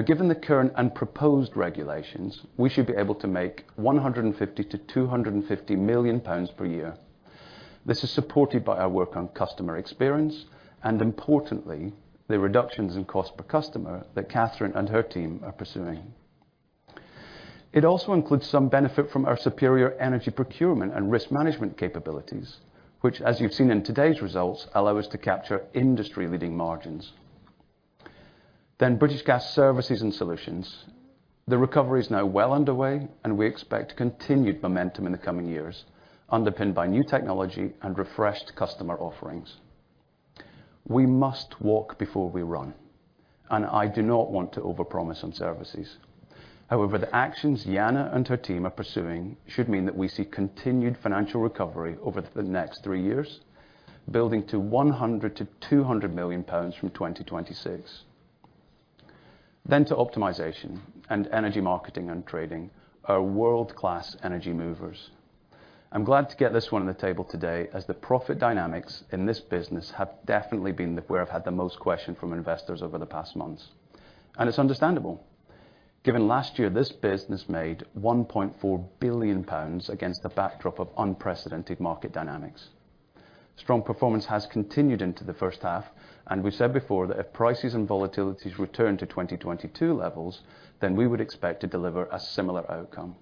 Given the current and proposed regulations, we should be able to make 150 million-250 million pounds per year. This is supported by our work on customer experience, and importantly, the reductions in cost per customer that Catherine and her team are pursuing. It also includes some benefit from our superior energy procurement and risk management capabilities, which, as you've seen in today's results, allow us to capture industry-leading margins. British Gas Services & Solutions. The recovery is now well underway, and we expect continued momentum in the coming years, underpinned by new technology and refreshed customer offerings. We must walk before we run, and I do not want to overpromise on services. However, the actions Jana and her team are pursuing should mean that we see continued financial recovery over the next three years, building to 100 million-200 million pounds from 2026. To optimization and Energy Marketing & Trading, our world-class energy movers. I'm glad to get this one on the table today, as the profit dynamics in this business have definitely been where I've had the most question from investors over the past months. It's understandable. Given last year, this business made 1.4 billion pounds against the backdrop of unprecedented market dynamics. Strong performance has continued into the H1. We've said before that if prices and volatilities return to 2022 levels, we would expect to deliver a similar outcome.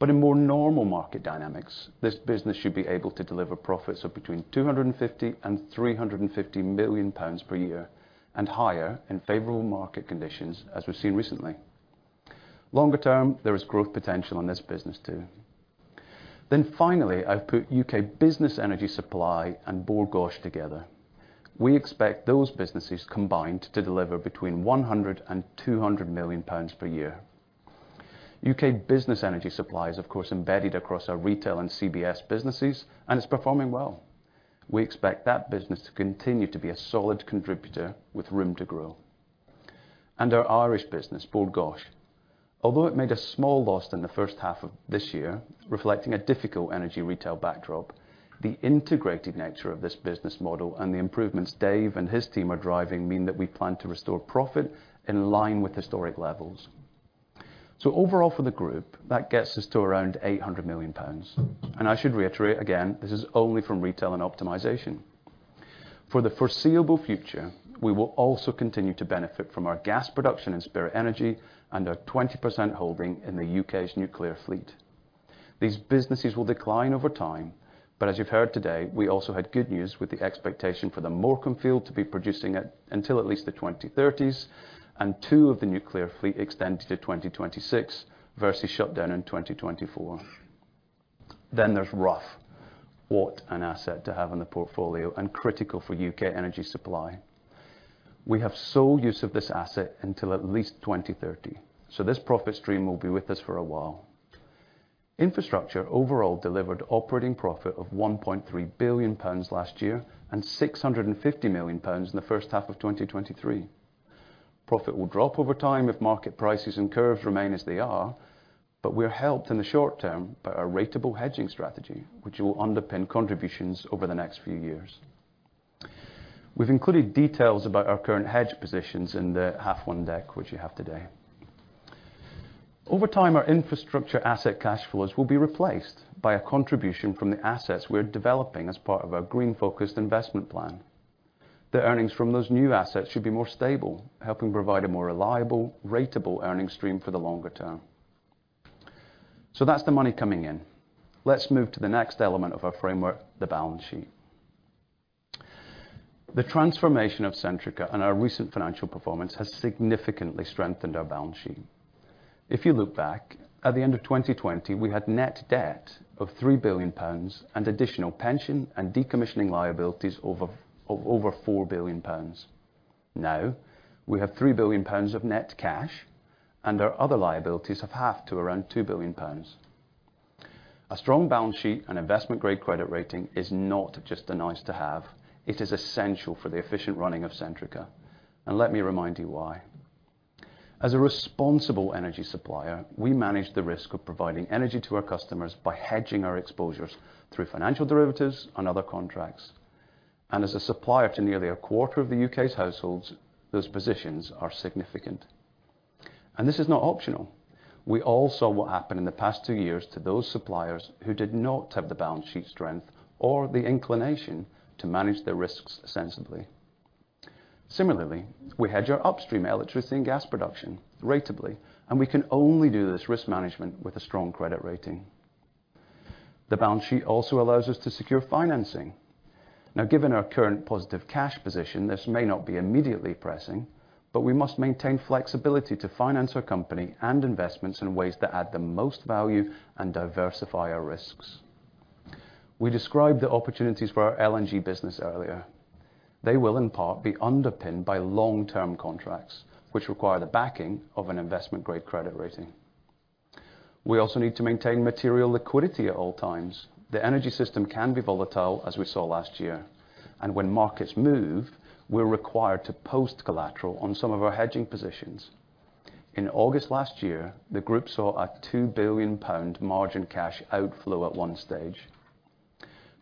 In more normal market dynamics, this business should be able to deliver profits of between 250 million and 350 million pounds per year, and higher in favorable market conditions, as we've seen recently. Longer term, there is growth potential in this business, too. Finally, I've put U.K. Business Energy Supply and Bord Gáis together. We expect those businesses combined to deliver between 100 million-200 million pounds per year. U.K. Business Energy Supply is, of course, embedded across our retail and CBS businesses and is performing well. We expect that business to continue to be a solid contributor with room to grow. Our Irish business, Bord Gáis. Although it made a small loss in the H1 of this year, reflecting a difficult energy retail backdrop, the integrated nature of this business model and the improvements Dave and his team are driving mean that we plan to restore profit in line with historic levels. Overall, for the group, that gets us to around 800 million pounds. I should reiterate again, this is only from retail and optimization. For the foreseeable future, we will also continue to benefit from our gas production and Spirit Energy and our 20% holding in the U.K.'s nuclear fleet. These businesses will decline over time, but as you've heard today, we also had good news with the expectation for the Morecambe to be producing at, until at least the 2030s, and two of the nuclear fleet extended to 2026 versus shutdown in 2024. There's Rough. What an asset to have in the portfolio, and critical for U.K. energy supply. We have sole use of this asset until at least 2030, so this profit stream will be with us for a while. Infrastructure overall delivered operating profit of 1.3 billion pounds last year, and 650 million pounds in the H1 of 2023. Profit will drop over time if market prices and curves remain as they are, but we are helped in the short term by our ratable hedging strategy, which will underpin contributions over the next few years. We've included details about our current hedge positions in the half one deck, which you have today. Over time, our infrastructure asset cash flows will be replaced by a contribution from the assets we're developing as part of our green-focused investment plan. The earnings from those new assets should be more stable, helping provide a more reliable, ratable earnings stream for the longer term. That's the money coming in. Let's move to the next element of our framework, the balance sheet. The transformation of Centrica and our recent financial performance has significantly strengthened our balance sheet. If you look back, at the end of 2020, we had net debt of 3 billion pounds, and additional pension and decommissioning liabilities of over 4 billion pounds. Now, we have 3 billion pounds of net cash, and our other liabilities have halved to around 2 billion pounds. A strong balance sheet and investment-grade credit rating is not just a nice-to-have, it is essential for the efficient running of Centrica, let me remind you why. As a responsible energy supplier, we manage the risk of providing energy to our customers by hedging our exposures through financial derivatives and other contracts. As a supplier to nearly a quarter of the U.K.'s households, those positions are significant. This is not optional. We all saw what happened in the past two years to those suppliers who did not have the balance sheet strength or the inclination to manage their risks sensibly. Similarly, we hedge our upstream electricity and gas production ratably, and we can only do this risk management with a strong credit rating. The balance sheet also allows us to secure financing. Given our current positive cash position, this may not be immediately pressing, but we must maintain flexibility to finance our company and investments in ways that add the most value and diversify our risks. We described the opportunities for our LNG business earlier. They will, in part, be underpinned by long-term contracts, which require the backing of an investment-grade credit rating. We also need to maintain material liquidity at all times. The energy system can be volatile, as we saw last year. When markets move, we're required to post collateral on some of our hedging positions. In August last year, the group saw a 2 billion pound margin cash outflow at one stage.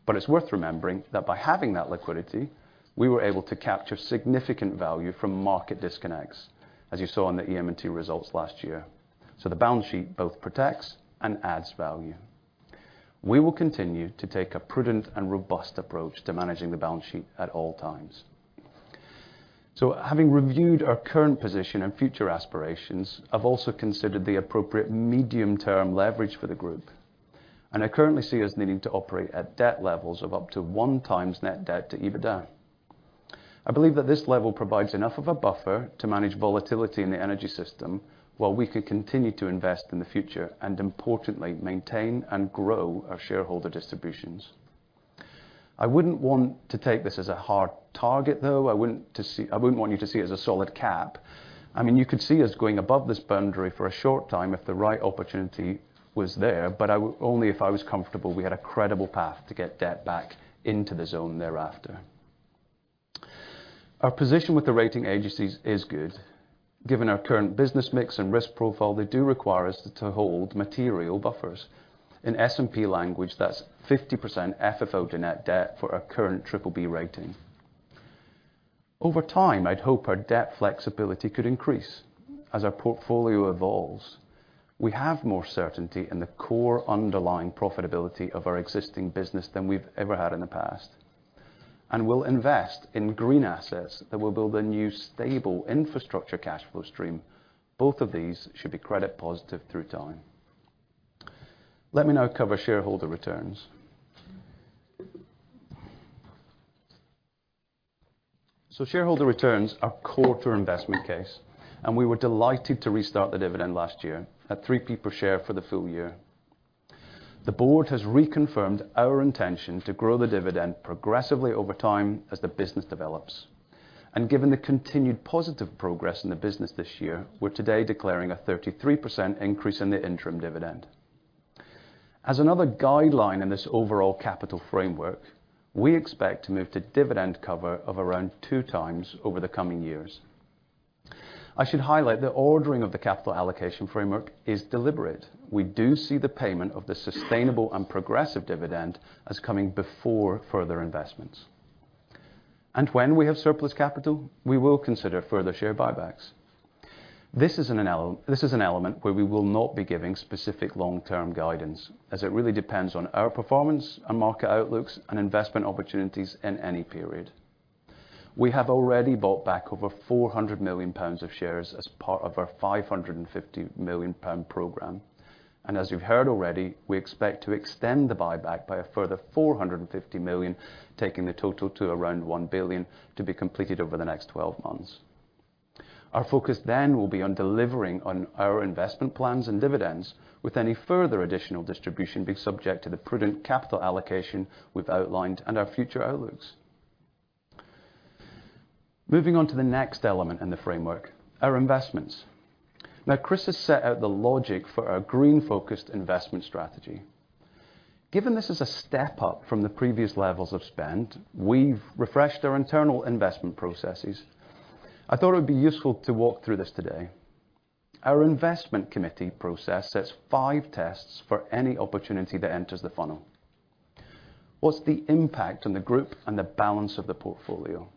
It's worth remembering that by having that liquidity, we were able to capture significant value from market disconnects, as you saw in the EM&T results last year. The balance sheet both protects and adds value. We will continue to take a prudent and robust approach to managing the balance sheet at all times. Having reviewed our current position and future aspirations, I've also considered the appropriate medium-term leverage for the group, and I currently see us needing to operate at debt levels of up to 1x Net Dept/EBIDTA. I believe that this level provides enough of a buffer to manage volatility in the energy system, while we can continue to invest in the future, and importantly, maintain and grow our shareholder distributions. I wouldn't want to take this as a hard target, though. I wouldn't want you to see it as a solid cap. I mean, you could see us going above this boundary for a short time if the right opportunity was there, only if I was comfortable we had a credible path to get debt back into the zone thereafter. Our position with the rating agencies is good. Given our current business mix and risk profile, they do require us to hold material buffers. In S&P language, that's 50% FFO to net debt for our current BBB rating. Over time, I'd hope our debt flexibility could increase as our portfolio evolves. We have more certainty in the core underlying profitability of our existing business than we've ever had in the past, and we'll invest in green assets that will build a new, stable infrastructure cash flow stream. Both of these should be credit positive through time. Let me now cover shareholder returns. Shareholder returns are core to our investment case, and we were delighted to restart the dividend last year at 3p per share for the full year. The board has reconfirmed our intention to grow the dividend progressively over time as the business develops, and given the continued positive progress in the business this year, we're today declaring a 33% increase in the interim dividend. As another guideline in this overall capital framework, we expect to move to dividend cover of around two times over the coming years. I should highlight, the ordering of the capital allocation framework is deliberate. We do see the payment of the sustainable and progressive dividend as coming before further investments. When we have surplus capital, we will consider further share buybacks. This is an element where we will not be giving specific long-term guidance, as it really depends on our performance and market outlooks and investment opportunities in any period. We have already bought back over 400 million pounds of shares as part of our 550 million pound program, and as you've heard already, we expect to extend the buyback by a further 450 million, taking the total to around 1 billion, to be completed over the next 12 months. Our focus then will be on delivering on our investment plans and dividends, with any further additional distribution being subject to the prudent capital allocation we've outlined and our future outlooks. Moving on to the next element in the framework, our investments. Chris has set out the logic for our green-focused investment strategy. Given this is a step up from the previous levels of spend, we've refreshed our internal investment processes. I thought it would be useful to walk through this today. Our investment committee process sets five tests for any opportunity that enters the funnel. What's the impact on the group and the balance of the portfolio?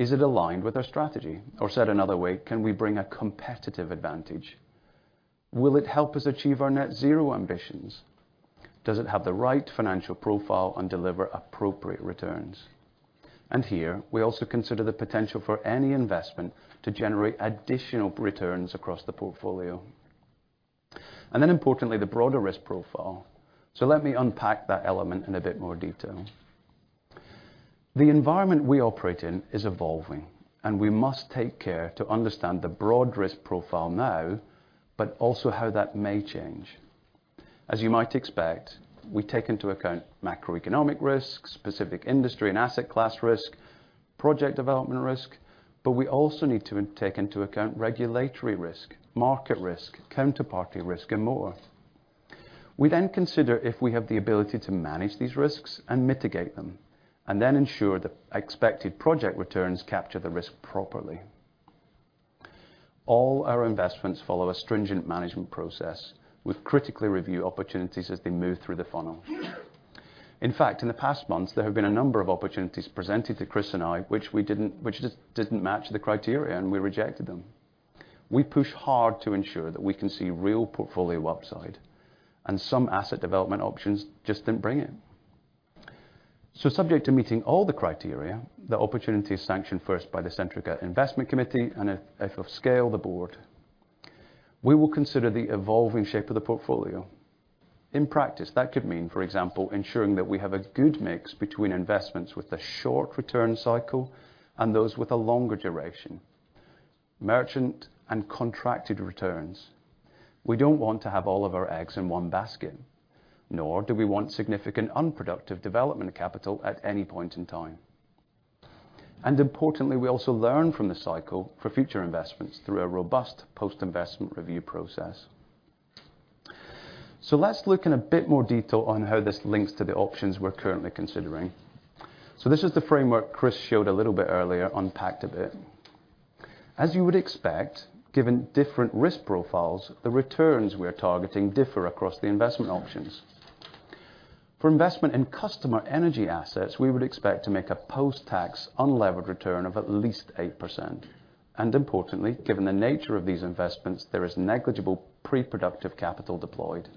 Is it aligned with our strategy? Said another way, can we bring a competitive advantage? Will it help us achieve our net zero ambitions? Does it have the right financial profile and deliver appropriate returns? Here, we also consider the potential for any investment to generate additional returns across the portfolio. Importantly, the broader risk profile. Let me unpack that element in a bit more detail. The environment we operate in is evolving, and we must take care to understand the broad risk profile now, but also how that may change. As you might expect, we take into account macroeconomic risks, specific industry and asset class risk, project development risk, but we also need to take into account regulatory risk, market risk, counterparty risk, and more. We consider if we have the ability to manage these risks and mitigate them, and then ensure the expected project returns capture the risk properly. All our investments follow a stringent management process. We critically review opportunities as they move through the funnel. In fact, in the past months, there have been a number of opportunities presented to Chris and I, which just didn't match the criteria, and we rejected them. We push hard to ensure that we can see real portfolio upside. Some asset development options just didn't bring it. Subject to meeting all the criteria, the opportunity is sanctioned first by the Centrica Investment Committee, and if of scale, the board. We will consider the evolving shape of the portfolio. In practice, that could mean, for example, ensuring that we have a good mix between investments with a short return cycle and those with a longer duration, merchant and contracted returns. We don't want to have all of our eggs in one basket, nor do we want significant unproductive development capital at any point in time. Importantly, we also learn from the cycle for future investments through a robust post-investment review process. Let's look in a bit more detail on how this links to the options we're currently considering. This is the framework Chris showed a little bit earlier, unpacked a bit. As you would expect, given different risk profiles, the returns we are targeting differ across the investment options. For investment in customer energy assets, we would expect to make a post-tax, unlevered return of at least 8%. Importantly, given the nature of these investments, there is negligible pre-productive capital deployed.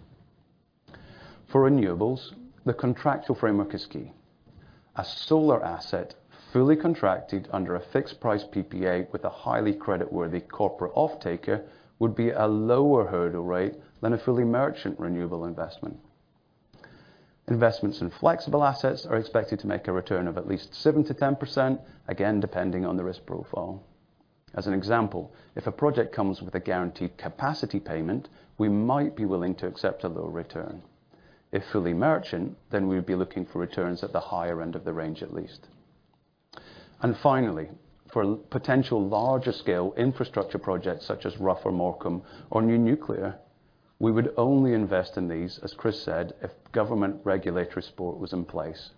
For renewables, the contractual framework is key. A solar asset, fully contracted under a fixed price PPA with a highly creditworthy corporate offtaker, would be a lower hurdle rate than a fully merchant renewable investment. Investments in flexible assets are expected to make a return of at least 7%-10%, again, depending on the risk profile. As an example, if a project comes with a guaranteed capacity payment, we might be willing to accept a lower return. If fully merchant, then we would be looking for returns at the higher end of the range at least. Finally, for potential larger scale infrastructure projects such as Rough or Morecambe or new nuclear, we would only invest in these, as Chris said, if government regulatory support was in place.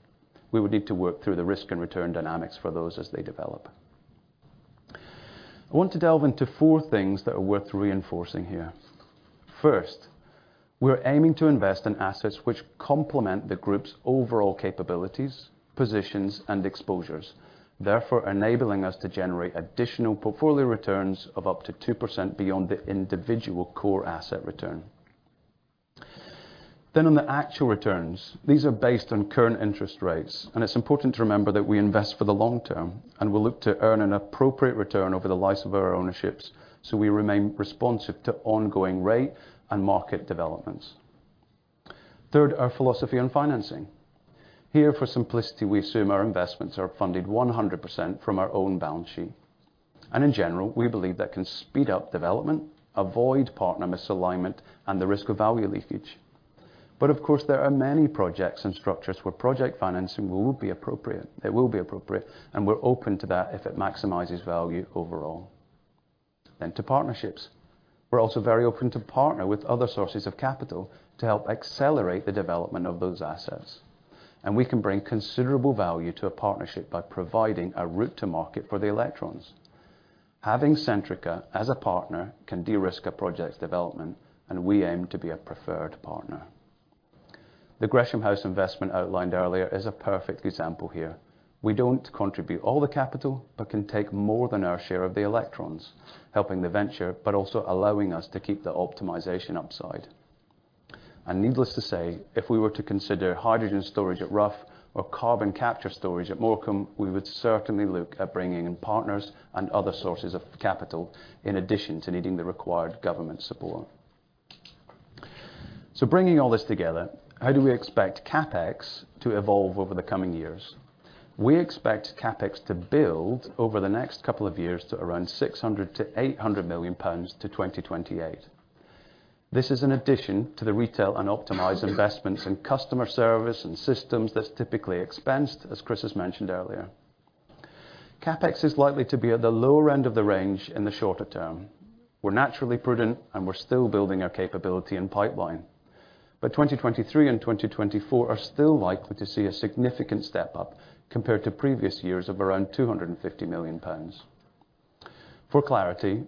We would need to work through the risk and return dynamics for those as they develop. I want to delve into 4 things that are worth reinforcing here. First, we're aiming to invest in assets which complement the group's overall capabilities, positions, and exposures, therefore enabling us to generate additional portfolio returns of up to 2% beyond the individual core asset return. On the actual returns, these are based on current interest rates, and it's important to remember that we invest for the long term, and we look to earn an appropriate return over the life of our ownerships, so we remain responsive to ongoing rate and market developments. Our philosophy on financing. Here, for simplicity, we assume our investments are funded 100% from our own balance sheet. In general, we believe that can speed up development, avoid partner misalignment, and the risk of value leakage. Of course, there are many projects and structures where project financing it will be appropriate, and we're open to that if it maximizes value overall. To partnerships. We're also very open to partner with other sources of capital to help accelerate the development of those assets, and we can bring considerable value to a partnership by providing a Route-to-Market for the electrons. Having Centrica as a partner can de-risk a project's development, and we aim to be a preferred partner. The Gresham House investment outlined earlier is a perfect example here. We don't contribute all the capital, but can take more than our share of the electrons, helping the venture, but also allowing us to keep the optimization upside. Needless to say, if we were to consider hydrogen storage at Rough or carbon capture storage at Morecambe, we would certainly look at bringing in partners and other sources of capital in addition to needing the required government support. Bringing all this together, how do we expect CapEx to evolve over the coming years? We expect CapEx to build over the next couple of years to around 600 million-800 million pounds to 2028. This is in addition to the retail and optimized investments in customer service and systems that's typically expensed, as Chris has mentioned earlier. CapEx is likely to be at the lower end of the range in the shorter term. We're naturally prudent, and we're still building our capability and pipeline. Twenty twenty-three and 2024 are still likely to see a significant step-up compared to previous years of around 250 million pounds. For clarity,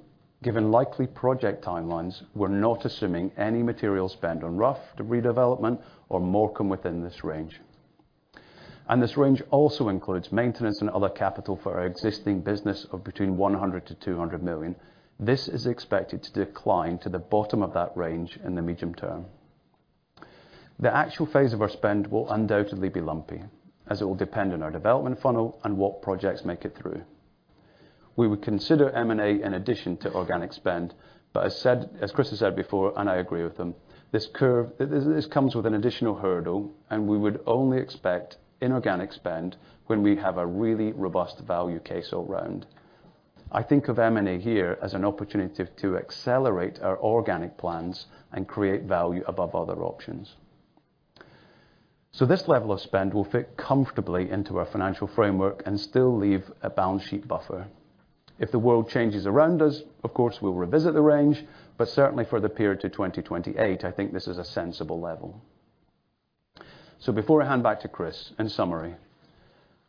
given likely project timelines, we're not assuming any material spend on Rough to redevelopment or Morecambe within this range. This range also includes maintenance and other capital for our existing business of between 100 million-200 million. This is expected to decline to the bottom of that range in the medium term. The actual phase of our spend will undoubtedly be lumpy, as it will depend on our development funnel and what projects make it through. We would consider M&A in addition to organic spend, but as Chris has said before, and I agree with him, this curve, this comes with an additional hurdle, and we would only expect inorganic spend when we have a really robust value case all around. I think of M&A here as an opportunity to accelerate our organic plans and create value above other options. This level of spend will fit comfortably into our financial framework and still leave a balance sheet buffer. If the world changes around us, of course, we'll revisit the range, but certainly for the period to 2028, I think this is a sensible level. Before I hand back to Chris, in summary,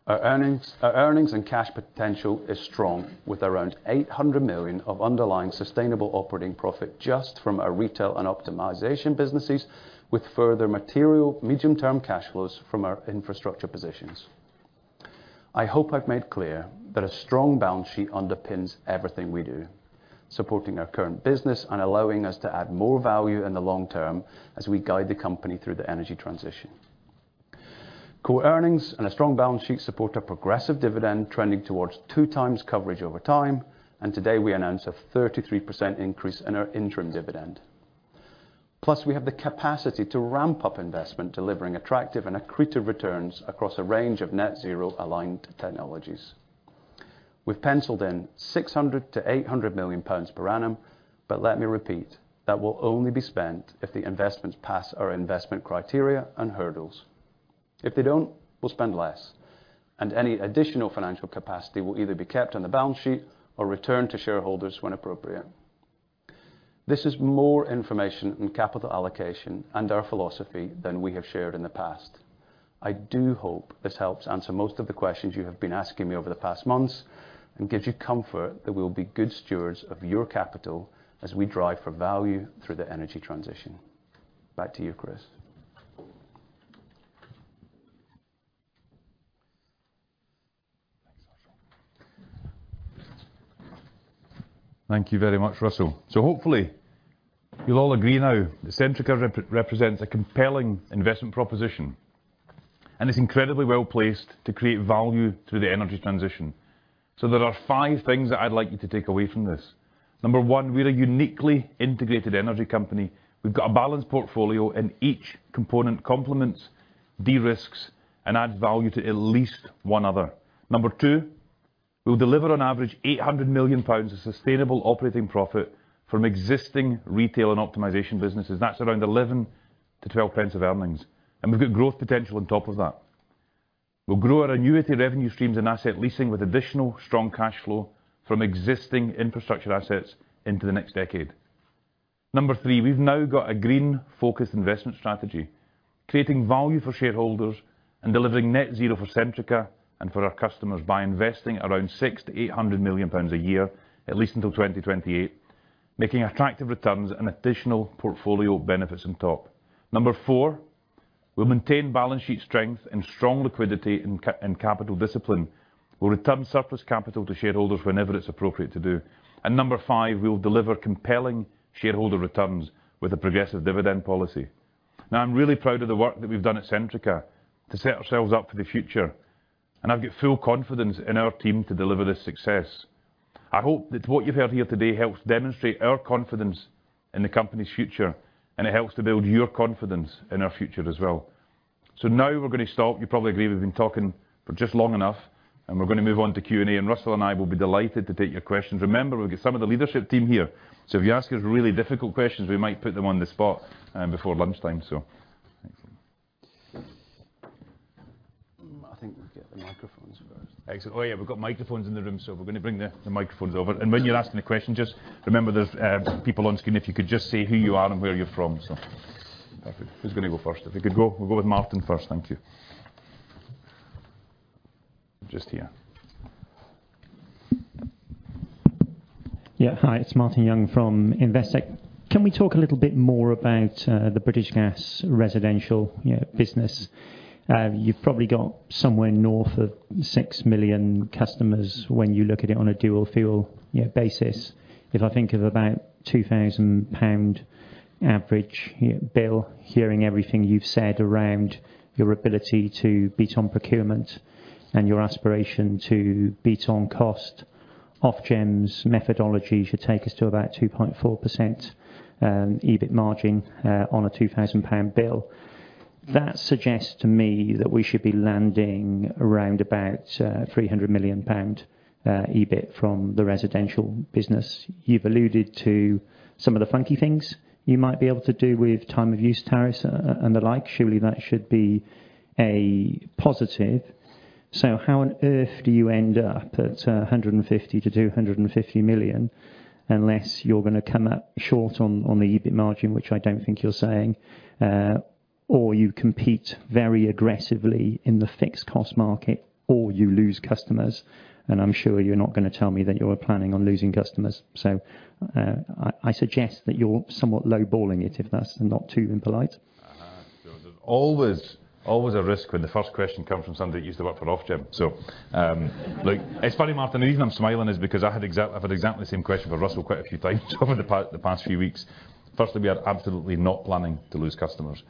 our earnings and cash potential is strong, with around 800 million of underlying sustainable operating profit just from our retail and optimization businesses, with further material medium-term cash flows from our infrastructure positions. I hope I've made clear that a strong balance sheet underpins everything we do, supporting our current business and allowing us to add more value in the long term as we guide the company through the energy transition. Core earnings and a strong balance sheet support our progressive dividend, trending towards two times coverage over time, and today we announced a 33% increase in our interim dividend. We have the capacity to ramp up investment, delivering attractive and accretive returns across a range of net zero aligned technologies. We've penciled in 600 million-800 million pounds per annum, but let me repeat, that will only be spent if the investments pass our investment criteria and hurdles. If they don't, we'll spend less, and any additional financial capacity will either be kept on the balance sheet or returned to shareholders when appropriate. This is more information on capital allocation and our philosophy than we have shared in the past. I do hope this helps answer most of the questions you have been asking me over the past months and gives you comfort that we will be good stewards of your capital as we drive for value through the energy transition. Back to you, Chris. Thanks, Russell. Thank you very much, Russell. Hopefully, you'll all agree now that Centrica represents a compelling investment proposition and is incredibly well-placed to create value through the energy transition. There are five things that I'd like you to take away from this. Number one, we're a uniquely integrated energy company. We've got a balanced portfolio, and each component complements, de-risks, and adds value to at least one other. Number two, we'll deliver on average 800 million pounds of sustainable operating profit from existing retail and optimization businesses. That's around 0.11-0.12 of earnings, and we've got growth potential on top of that. We'll grow our annuity revenue streams and asset leasing with additional strong cash flow from existing infrastructure assets into the next decade. Number three, we've now got a green-focused investment strategy, creating value for shareholders and delivering net zero for Centrica and for our customers by investing around 600 million-800 million pounds a year, at least until 2028, making attractive returns and additional portfolio benefits on top. Number four, we'll maintain balance sheet strength and strong liquidity and capital discipline. We'll return surplus capital to shareholders whenever it's appropriate to do. Number five, we'll deliver compelling shareholder returns with a progressive dividend policy. I'm really proud of the work that we've done at Centrica to set ourselves up for the future, and I've got full confidence in our team to deliver this success. I hope that what you've heard here today helps demonstrate our confidence in the company's future, and it helps to build your confidence in our future as well. Now we're going to stop. You probably agree we've been talking for just long enough, and we're going to move on to Q&A, and Russell and I will be delighted to take your questions. Remember, we've got some of the leadership team here, so if you ask us really difficult questions, we might put them on the spot before lunchtime. I think we'll get the microphones first. Excellent. Oh, yeah, we've got microphones in the room, so we're going to bring the microphones over. When you're asking a question, just remember, there's people on screen, if you could just say who you are and where you're from. Perfect. Who's going to go first? If we could go, we'll go with Martin first. Thank you. Just here. Yeah. Hi, it's Martin Young from Investec. Can we talk a little bit more about the British Gas residential, you know, business? You've probably got somewhere north of 6 million customers when you look at it on a dual fuel, you know, basis. If I think of about 2,000 pound average bill, hearing everything you've said around your ability to beat on procurement and your aspiration to beat on cost. Ofgem's methodology should take us to about 2.4% EBIT margin on a 2,000 pound bill. That suggests to me that we should be landing around about 300 million pound EBIT from the residential business. You've alluded to some of the funky things you might be able to do with time of use tariffs and the like. Surely that should be a positive. How on earth do you end up at 150 million-250 million, unless you're gonna come up short on the EBIT margin, which I don't think you're saying, or you compete very aggressively in the fixed cost market, or you lose customers? I'm sure you're not gonna tell me that you are planning on losing customers. I suggest that you're somewhat lowballing it, if that's not too impolite. There's always a risk when the first question comes from somebody that used to work for Ofgem. Like, it's funny, Martin, the reason I'm smiling is because I've had exactly the same question from Russell quite a few times over the past few weeks. Firstly, we are absolutely not planning to lose customers.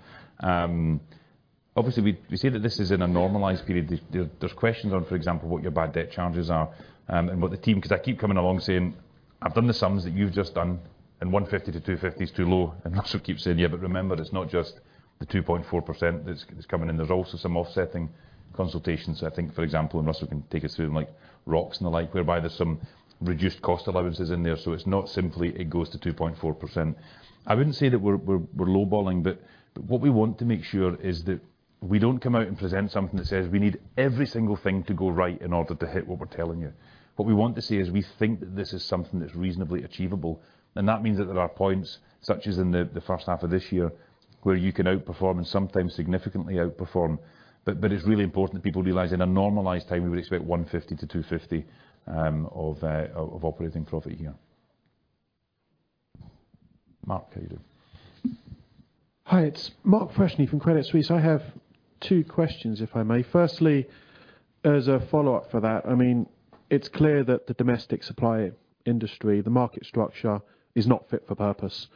Obviously, we say that this is in a normalized period. There's questions on, for example, what your bad debt charges are. Because I keep coming along saying: I've done the sums that you've just done, and 150-250 is too low. Russell keeps saying, "Yeah, but remember, it's not just the 2.4% that's coming in. There's also some offsetting consultations," I think, for example, and Russell can take us through them, like ROCs and the like, whereby there's some reduced cost allowances in there. It's not simply it goes to 2.4%. I wouldn't say that we're lowballing. What we want to make sure is that we don't come out and present something that says we need every single thing to go right in order to hit what we're telling you. What we want to say is, we think that this is something that's reasonably achievable, and that means that there are points, such as in the H1 of this year, where you can outperform and sometimes significantly outperform. It's really important that people realize in a normalized time, we would expect 150-250 operating profit here. Mark, how you doing? Hi, it's Mark Freshney from Credit Suisse. I have 2 questions, if I may. Firstly, as a follow-up for that, I mean, it's clear that the domestic supply industry, the market structure, is not fit for purpose.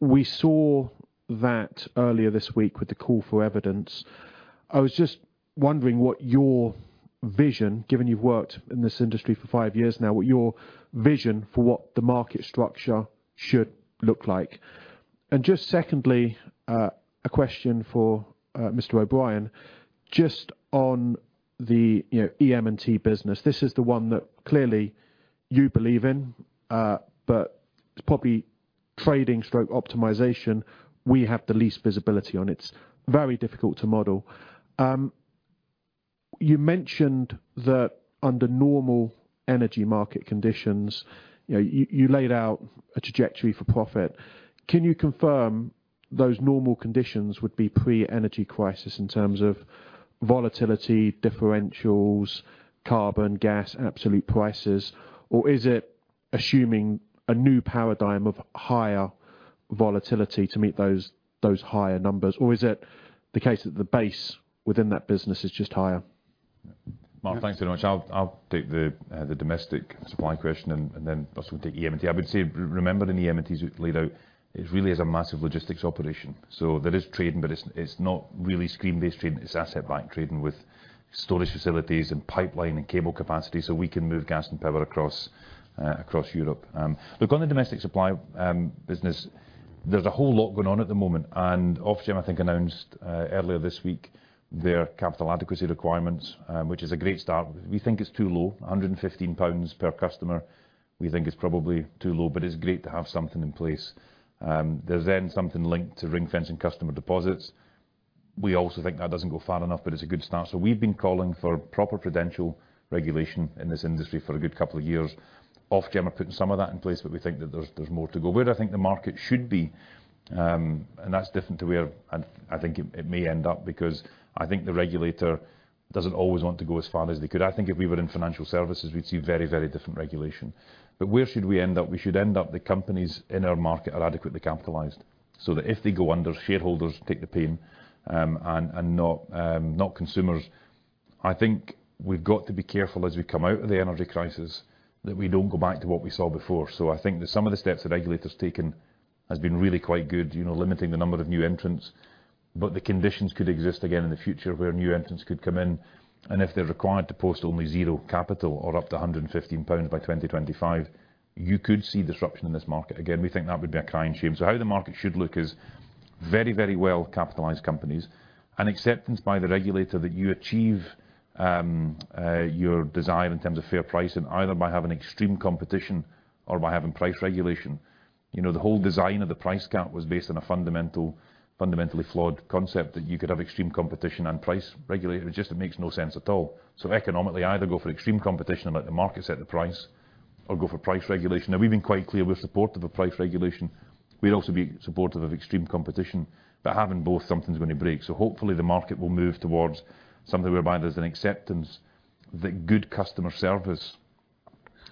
We saw that earlier this week with the call for evidence. I was just wondering what your vision, given you've worked in this industry for 5 years now, what your vision for what the market structure should look like? Just secondly, a question for Mr. O'Brien, just on the, you know, EM&T business. This is the one that clearly you believe in, but it's probably trading stroke optimization we have the least visibility on. It's very difficult to model. You mentioned that under normal energy market conditions, you know, you laid out a trajectory for profit. Can you confirm those normal conditions would be pre-energy crisis in terms of volatility, differentials, carbon, gas, absolute prices? Or is it assuming a new paradigm of higher volatility to meet those higher numbers, or is it the case that the base within that business is just higher? Mark, thanks so much. I'll take the domestic supply question, then Russell will take EM&T. I would say, remember, in EM&T we laid out, it really is a massive logistics operation, there is trading, but it's not really screen-based trading. It's asset-backed trading with storage facilities and pipeline and cable capacity, we can move gas and power across Europe. Look, on the domestic supply business, there's a whole lot going on at the moment, Ofgem, I think, announced earlier this week their capital adequacy requirements, which is a great start. We think it's too low. 115 pounds per customer we think is probably too low, it's great to have something in place. There's something linked to ring-fencing customer deposits. We also think that doesn't go far enough. It's a good start. We've been calling for proper prudential regulation in this industry for a good couple of years. Ofgem are putting some of that in place. We think that there's more to go. Where I think the market should be. That's different to where I think it may end up, because I think the regulator doesn't always want to go as far as they could. I think if we were in financial services, we'd see very, very different regulation. Where should we end up? We should end up the companies in our market are adequately capitalized, so that if they go under, shareholders take the pain, and not consumers. I think we've got to be careful as we come out of the energy crisis, that we don't go back to what we saw before. I think that some of the steps the regulator's taken has been really quite good, you know, limiting the number of new entrants. The conditions could exist again in the future, where new entrants could come in, and if they're required to post only zero capital or up to 115 pounds by 2025, you could see disruption in this market again. We think that would be a crying shame. How the market should look is very, very well-capitalized companies and acceptance by the regulator that you achieve your desire in terms of fair pricing, either by having extreme competition or by having price regulation. You know, the whole design of the Price Cap was based on a fundamentally flawed concept that you could have extreme competition and price regulation. It just makes no sense at all. Economically, either go for extreme competition and let the market set the price, or go for price regulation. We've been quite clear, we're supportive of price regulation. We'd also be supportive of extreme competition, having both, something's going to break. Hopefully the market will move towards something whereby there's an acceptance that good customer service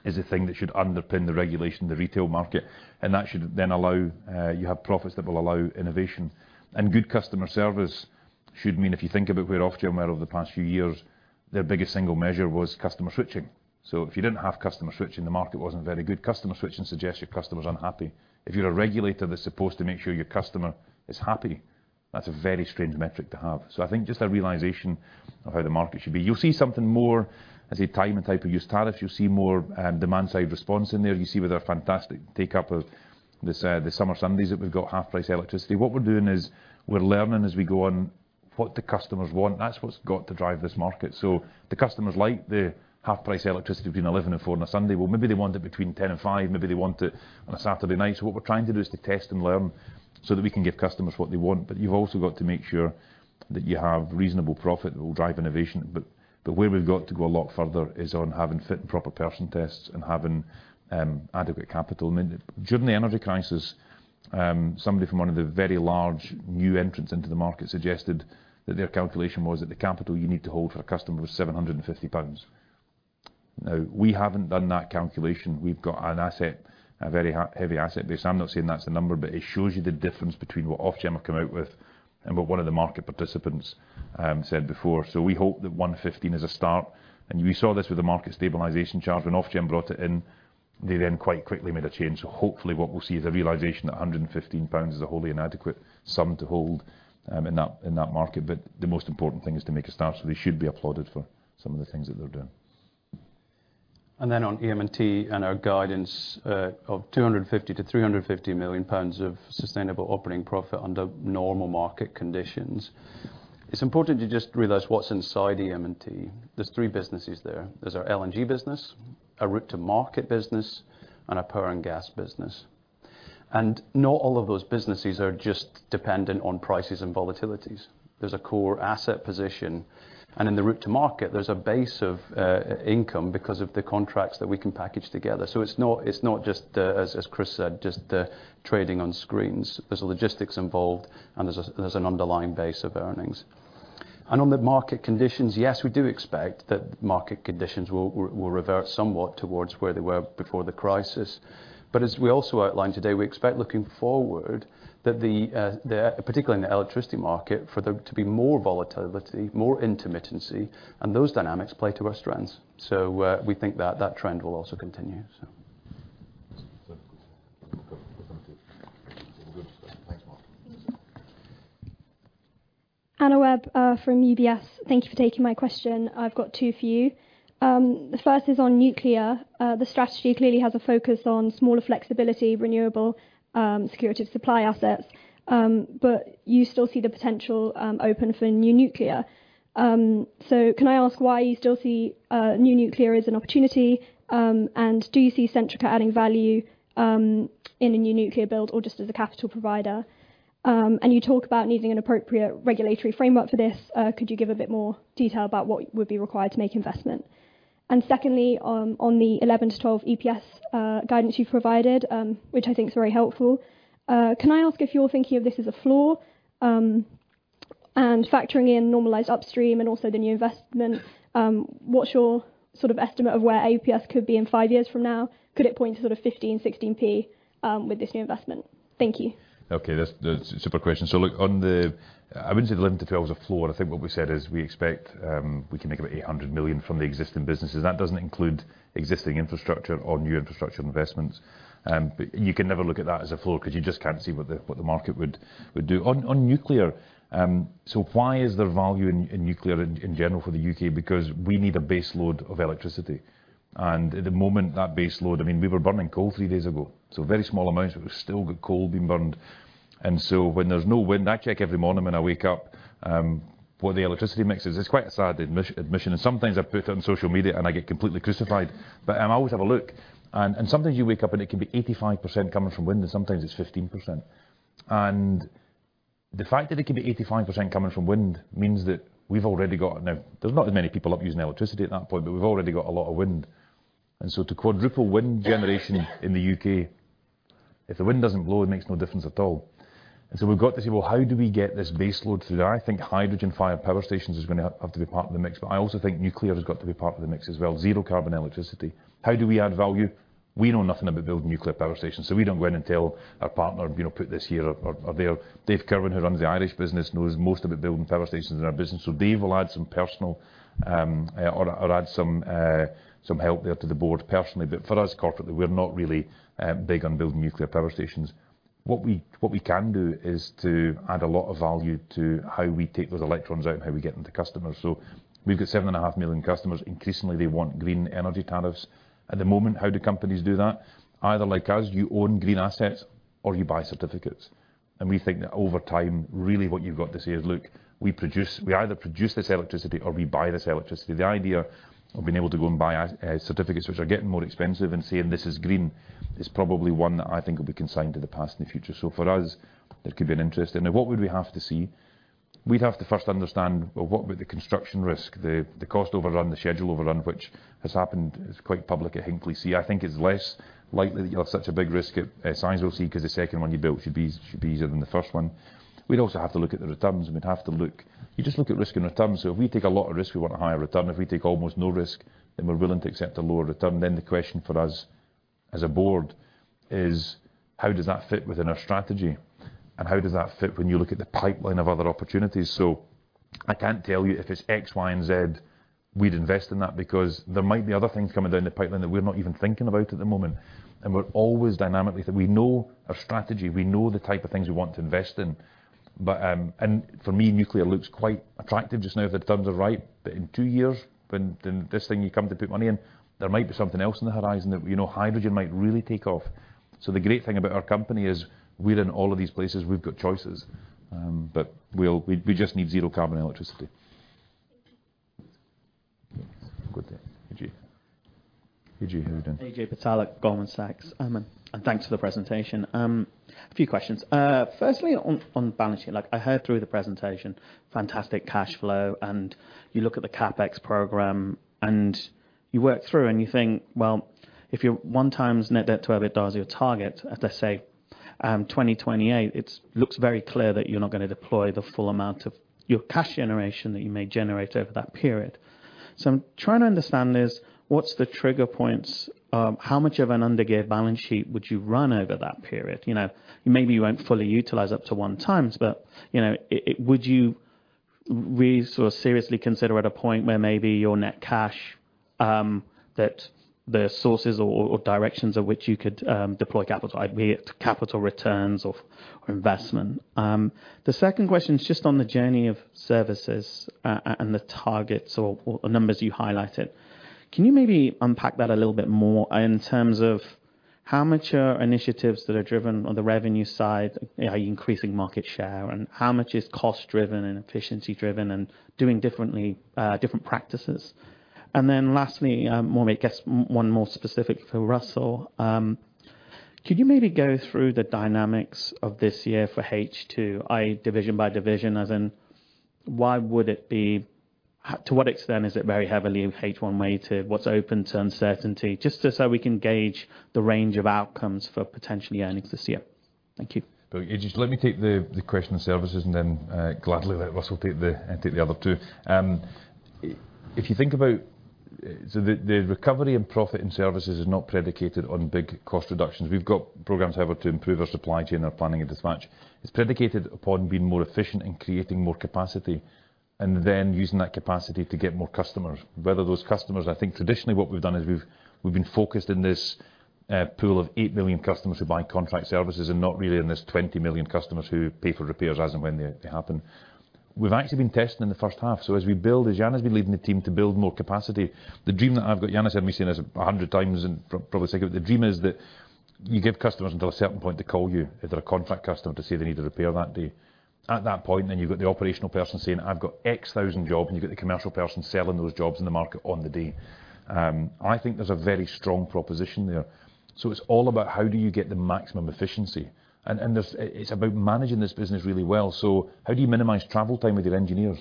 is the thing that should underpin the regulation of the retail market, and that should then allow you have profits that will allow innovation. Good customer service should mean, if you think about where Ofgem are over the past few years, their biggest single measure was customer switching. If you didn't have customer switching, the market wasn't very good. Customer switching suggests your customer's unhappy. If you're a regulator that's supposed to make sure your customer is happy. That's a very strange metric to have. I think just a realization of how the market should be. You'll see something more, as I say, time and type of use tariffs. You'll see more Demand-Side Response in there. You see with our fantastic take up of this, the Summer Sundays that we've got half-price electricity. What we're doing is we're learning as we go on what the customers want. That's what's got to drive this market. The customers like the half-price electricity between 11 and four on a Sunday. Maybe they want it between 10 and five, maybe they want it on a Saturday night. What we're trying to do is to test and learn so that we can give customers what they want. You've also got to make sure that you have reasonable profit that will drive innovation. Where we've got to go a lot further is on having fit and proper person tests and having adequate capital. I mean, during the energy crisis, somebody from one of the very large new entrants into the market suggested that their calculation was that the capital you need to hold for a customer was 750 pounds. We haven't done that calculation. We've got an asset, a very heavy asset base. I'm not saying that's the number, but it shows you the difference between what Ofgem have come out with and what one of the market participants said before. We hope that 115 is a start, and we saw this with the Market Stabilisation Charge. When Ofgem brought it in, they quite quickly made a change. Hopefully what we'll see is a realization that 115 pounds is a wholly inadequate sum to hold in that market. The most important thing is to make a start. They should be applauded for some of the things that they're doing. On EM&T and our guidance, of 250 million-350 million pounds of sustainable operating profit under normal market conditions. It's important to just realize what's inside EM&T. There's 3 businesses there. There's our LNG business, a Route-to-Market business, and a power and gas business. Not all of those businesses are just dependent on prices and volatilities. There's a core asset position, and in the Route-to-Market, there's a base of income because of the contracts that we can package together. It's not, it's not just, as Chris said, just trading on screens. There's logistics involved, and there's a, there's an underlying base of earnings. On the market conditions, yes, we do expect that market conditions will revert somewhat towards where they were before the crisis. As we also outlined today, we expect looking forward, that the particularly in the electricity market, for there to be more volatility, more intermittency, and those dynamics play to our strengths. We think that trend will also continue, so. Thank you. Anna Webb from UBS, thank you for taking my question. I've got two for you. The first is on nuclear. The strategy clearly has a focus on smaller flexibility, renewable, security of supply assets, but you still see the potential open for new nuclear. So can I ask why you still see new nuclear as an opportunity? And do you see Centrica adding value in a new nuclear build or just as a capital provider? And you talk about needing an appropriate regulatory framework for this. Could you give a bit more detail about what would be required to make investment? Secondly, on the 11-12 EPS guidance you've provided, which I think is very helpful, can I ask if you're thinking of this as a floor? Factoring in normalized upstream and also the new investments, what's your sort of estimate of where EPS could be in five years from now? Could it point to sort of 15, 16 P, with this new investment? Thank you. Okay, that's super question. Look, on the... I wouldn't say the 11p-12p is a floor. I think what we said is we expect we can make about 800 million from the existing businesses. That doesn't include existing infrastructure or new infrastructure investments. You can never look at that as a floor, because you just can't see what the market would do. On nuclear, why is there value in nuclear in general for the U.K.? We need a base load of electricity, and at the moment, that base load, I mean, we were burning coal three days ago. A very small amount, but there was still coal being burned. When there's no wind, I check every morning when I wake up what the electricity mix is. It's quite a sad admission, sometimes I put it on social media, and I get completely crucified. I always have a look, and sometimes you wake up, and it can be 85% coming from wind, and sometimes it's 15%. The fact that it can be 85% coming from wind means that we've already got. Now, there's not that many people up using electricity at that point, but we've already got a lot of wind. To quadruple wind generation in the U.K., if the wind doesn't blow, it makes no difference at all. We've got to say, "Well, how do we get this base load to there?" I think hydrogen-fired power stations is gonna have to be part of the mix, but I also think nuclear has got to be part of the mix as well. Zero carbon electricity. How do we add value? We know nothing about building nuclear power stations. We don't go in and tell our partner, you know, "Put this here or there." Dave Kirwan, who runs the Irish business, knows most about building power stations in our business. Dave will add some personal, or add some help there to the board personally. For us, corporately, we're not really big on building nuclear power stations. What we can do is to add a lot of value to how we take those electrons out and how we get them to customers. We've got 7.5 million customers. Increasingly, they want green energy tariffs. At the moment, how do companies do that? Either like us, you own green assets or you buy certificates. We think that over time, really what you've got to say is, "Look, We either produce this electricity or we buy this electricity." The idea of being able to go and buy certificates, which are getting more expensive, and saying, "This is green," is probably one that I think will be consigned to the past and the future. For us, there could be an interest. What would we have to see? We'd have to first understand, well, what would the construction risk, the cost overrun, the schedule overrun, which has happened, is quite public at Hinkley C. I think it's less likely that you'll have such a big risk at Sizewell C, because the second one you build should be easier than the first one. We'd also have to look at the returns, and we'd have to look. You just look at risk and return. If we take a lot of risk, we want a higher return. If we take almost no risk, then we're willing to accept a lower return. The question for us, as a board, is: how does that fit within our strategy, and how does that fit when you look at the pipeline of other opportunities? I can't tell you if it's X, Y, and Z, we'd invest in that, because there might be other things coming down the pipeline that we're not even thinking about at the moment. We're always dynamically We know our strategy, we know the type of things we want to invest in, but, and for me, nuclear looks quite attractive just now, the terms are right. In two years, when this thing you come to put money in, there might be something else on the horizon that, you know, hydrogen might really take off. The great thing about our company is we're in all of these places. We've got choices. But we just need zero carbon electricity. Good day, Ajay. How you doing? Ajay Patel at Goldman Sachs. And thanks for the presentation. A few questions. Firstly, on balancing, like I heard through the presentation, fantastic cash flow, and you look at the CapEx program, and you work through and you think, well, if you're 1x Net Debt/EBITDA ratio is your target, let's say, 2028, it looks very clear that you're not gonna deploy the full amount of your cash generation that you may generate over that period. I'm trying to understand this: what's the trigger points? How much of an undergear balance sheet would you run over that period? You know, maybe you won't fully utilize up to 1x, but, you know. Would you sort of seriously consider at a point where maybe your net cash, that the sources or directions of which you could deploy capital, be it capital returns or investment? The second question is just on the journey of services and the targets or numbers you highlighted. Can you maybe unpack that a little bit more in terms of how much are initiatives that are driven on the revenue side, are you increasing market share, and how much is cost-driven and efficiency-driven and doing differently, different practices? Lastly, more, I guess, one more specific for Russell. Could you maybe go through the dynamics of this year for H2, i.e., division by division, as in to what extent is it very heavily in H1 weighted? What's open to uncertainty? We can gauge the range of outcomes for potential earnings this year. Thank you. Ajay, just let me take the question on services and then gladly let Russell take the other two. If you think about the recovery in profit and services is not predicated on big cost reductions. We've got programs, however, to improve our supply chain, our planning and dispatch. It's predicated upon being more efficient and creating more capacity, and then using that capacity to get more customers. I think traditionally what we've done is we've been focused in this pool of 8 million customers who buy contract services and not really in this 20 million customers who pay for repairs as and when they happen. We've actually been testing in the H1, so as we build, as Jana's been leading the team to build more capacity, the dream that I've got, Jana's heard me saying this 100x and probably say it again, the dream is that you give customers until a certain point to call you, if they're a contract customer, to say they need a repair that day. At that point, then you've got the operational person saying, "I've got X,000 jobs," and you've got the commercial person selling those jobs in the market on the day. I think there's a very strong proposition there. It's all about how do you get the maximum efficiency? And there's, it's about managing this business really well. How do you minimize travel time with your engineers?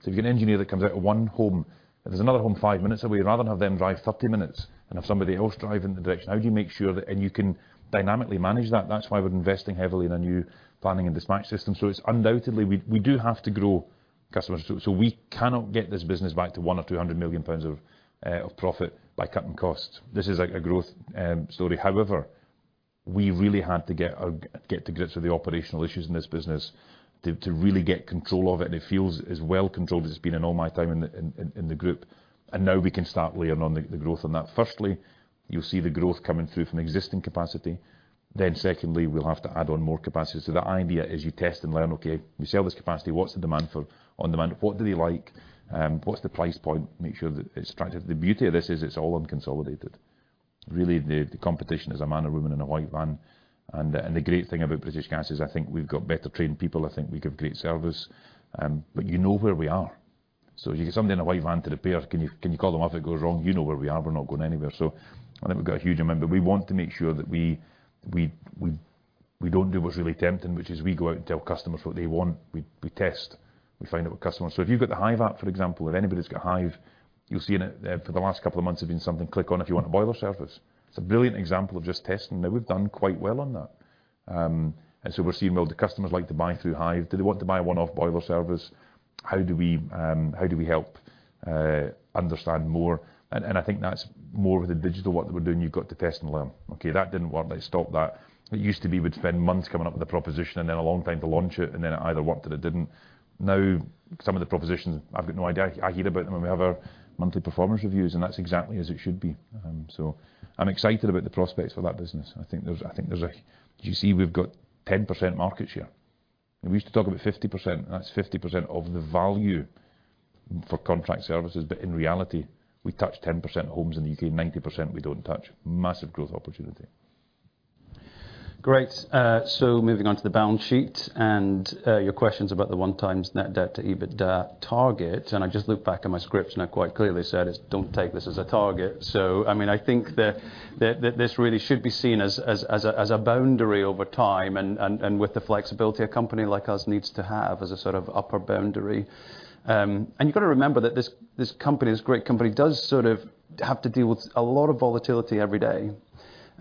If you get an engineer that comes out of one home, and there's another home five minutes away, rather than have them drive 30 minutes and have somebody else drive in the direction, how do you make sure that you can dynamically manage that. That's why we're investing heavily in a new planning and dispatch system. It's undoubtedly, we do have to grow customers. We cannot get this business back to 100 million or 200 million pounds of profit by cutting costs. This is, like, a growth story. However, we really had to get to grips with the operational issues in this business to really get control of it, and it feels as well controlled as it's been in all my time in the group. Now we can start layering on the growth on that. Firstly, you'll see the growth coming through from existing capacity. Secondly, we'll have to add on more capacity. The idea is you test and learn, okay, we sell this capacity, what's the demand for on demand? What do they like? What's the price point? Make sure that it's attractive. The beauty of this is it's all unconsolidated. Really, the competition is a man or woman in a white van, the great thing about British Gas is I think we've got better-trained people, I think we give great service, you know where we are. If you get somebody in a white van to repair, can you call them up if it goes wrong? You know where we are. We're not going anywhere. I think we've got a huge amount, but we want to make sure that we don't do what's really tempting, which is we go out and tell customers what they want. We test, we find out what customers... If you've got the Hive app, for example, if anybody's got Hive, you'll see in it, for the last two months, there's been something, click on if you want a boiler service. It's a brilliant example of just testing. We've done quite well on that. We're seeing, well, do customers like to buy through Hive? Do they want to buy a one-off boiler service? How do we, how do we help understand more? I think that's more of the digital work that we're doing. You've got to test and learn. Okay, that didn't work. Let's stop that. It used to be we'd spend months coming up with a proposition and then a long time to launch it, and then it either worked or it didn't. Some of the propositions, I've got no idea. I hear about them at our monthly performance reviews. That's exactly as it should be. I'm excited about the prospects for that business. You see, we've got 10% market share. We used to talk about 50%. That's 50% of the value for contract services. In reality, we touch 10% homes in the U.K. 90% we don't touch. Massive growth opportunity. Great. Moving on to the balance sheet and your questions about the 1x Net Debt/EBITDA ratio target. I just looked back at my script, and I quite clearly said, "Don't take this as a target." I mean, I think that this really should be seen as a boundary over time, and with the flexibility a company like us needs to have as a sort of upper boundary. You've got to remember that this company, this great company, does sort of have to deal with a lot of volatility every day.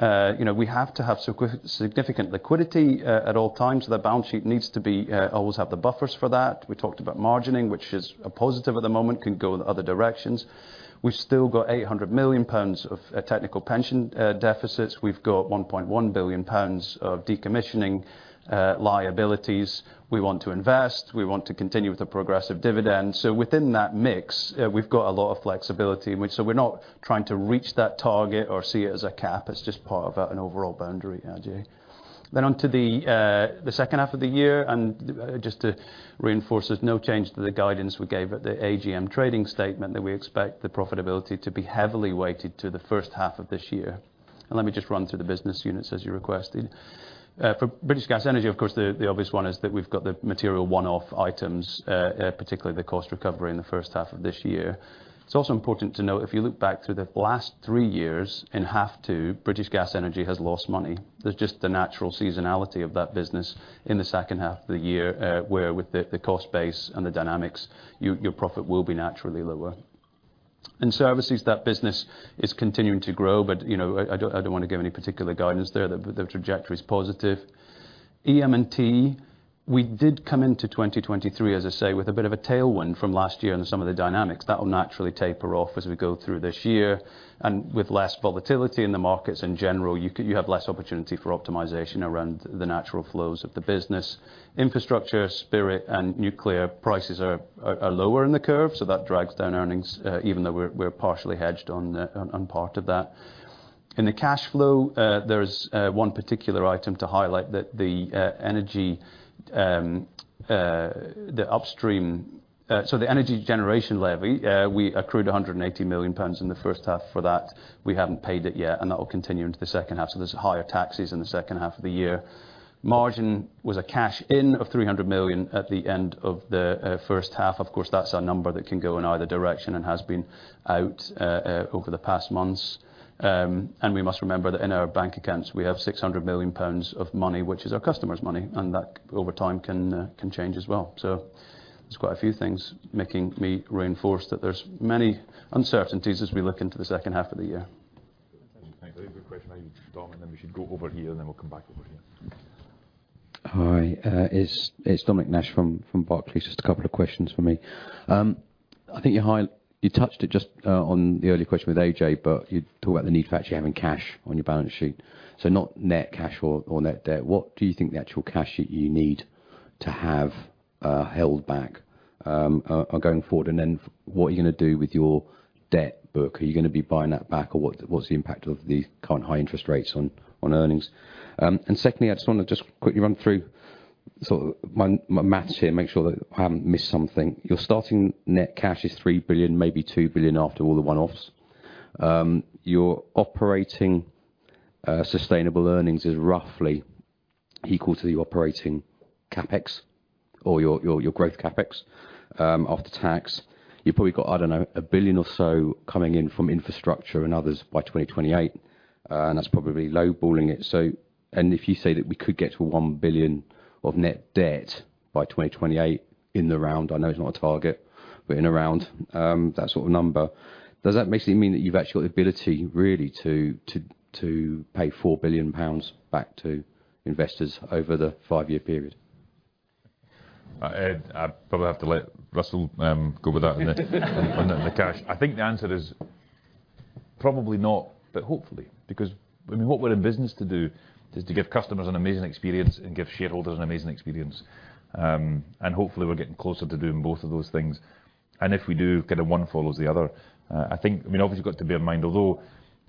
You know, we have to have significant liquidity at all times, so the balance sheet needs to be always have the buffers for that. We talked about margining, which is a positive at the moment, can go in other directions. We've still got 800 million pounds of technical pension deficits. We've got 1.1 billion pounds of decommissioning. liabilities. We want to invest, we want to continue with a progressive dividend. Within that mix, we've got a lot of flexibility, in which so we're not trying to reach that target or see it as a cap, it's just part of an overall boundary, Ajay. Onto the H2 of the year, just to reinforce, there's no change to the guidance we gave at the AGM trading statement, that we expect the profitability to be heavily weighted to the H1 of this year. Let me just run through the business units, as you requested. For British Gas Energy, of course, the obvious one is that we've got the material one-off items, particularly the cost recovery in the H1 of this year. It's also important to note, if you look back through the last three years, in half two, British Gas Energy has lost money. There's just the natural seasonality of that business in the 2nd half of the year, where with the cost base and the dynamics, your profit will be naturally lower. Obviously, that business is continuing to grow, but, you know, I don't wanna give any particular guidance there, but the trajectory's positive. EM&T, we did come into 2023, as I say, with a bit of a tailwind from last year, and some of the dynamics. That will naturally taper off as we go through this year, and with less volatility in the markets in general, you have less opportunity for optimization around the natural flows of the business. Infrastructure, Spirit, and Nuclear, prices are lower in the curve, that drags down earnings, even though we're partially hedged on part of that. In the cash flow, there's one particular item to highlight, that the energy, the upstream. The Electricity Generator Levy, we accrued 180 million pounds in the H1 for that. We haven't paid it yet, that will continue into the H2, there's higher taxes in the H2 of the year. Margin was a cash in of 300 million at the end of the H1. Of course, that's our number that can go in either direction, has been out over the past months. We must remember that in our bank accounts, we have 600 million pounds of money, which is our customers' money, and that, over time, can change as well. There's quite a few things making me reinforce that there's many uncertainties as we look into the H2 of the year. Thanks. Very good question. Now you, Dominic, then we should go over here, and then we'll come back over here. Hi, it's Dominic Nash from Barclays. Just a couple of questions from me. I think you touched it just on the earlier question with AJ, but you talked about the need for actually having cash on your balance sheet, so not net cash or net debt. What do you think the actual cash that you need to have held back are going forward? What are you gonna do with your debt book? Are you gonna be buying that back, or what's the impact of the current high interest rates on earnings? Secondly, I just wanna just quickly run through, sort of, my maths here, and make sure that I haven't missed something. Your starting net cash is 3 billion, maybe 2 billion after all the one-offs. Your operating sustainable earnings is roughly equal to your operating CapEx or your growth CapEx after tax. You've probably got, I don't know, 1 billion or so coming in from infrastructure and others by 2028, and that's probably lowballing it. If you say that we could get to 1 billion of net debt by 2028, in the round, I know it's not a target, but in a round, that sort of number, does that basically mean that you've actually got the ability really to pay 4 billion pounds back to investors over the five-year period? Ed, I probably have to let Russell go with that on the cash. I think the answer is probably not, but hopefully, because, I mean, what we're in business to do is to give customers an amazing experience and give shareholders an amazing experience. Hopefully we're getting closer to doing both of those things, and if we do, kind of one follows the other. I think, obviously you've got to bear in mind, although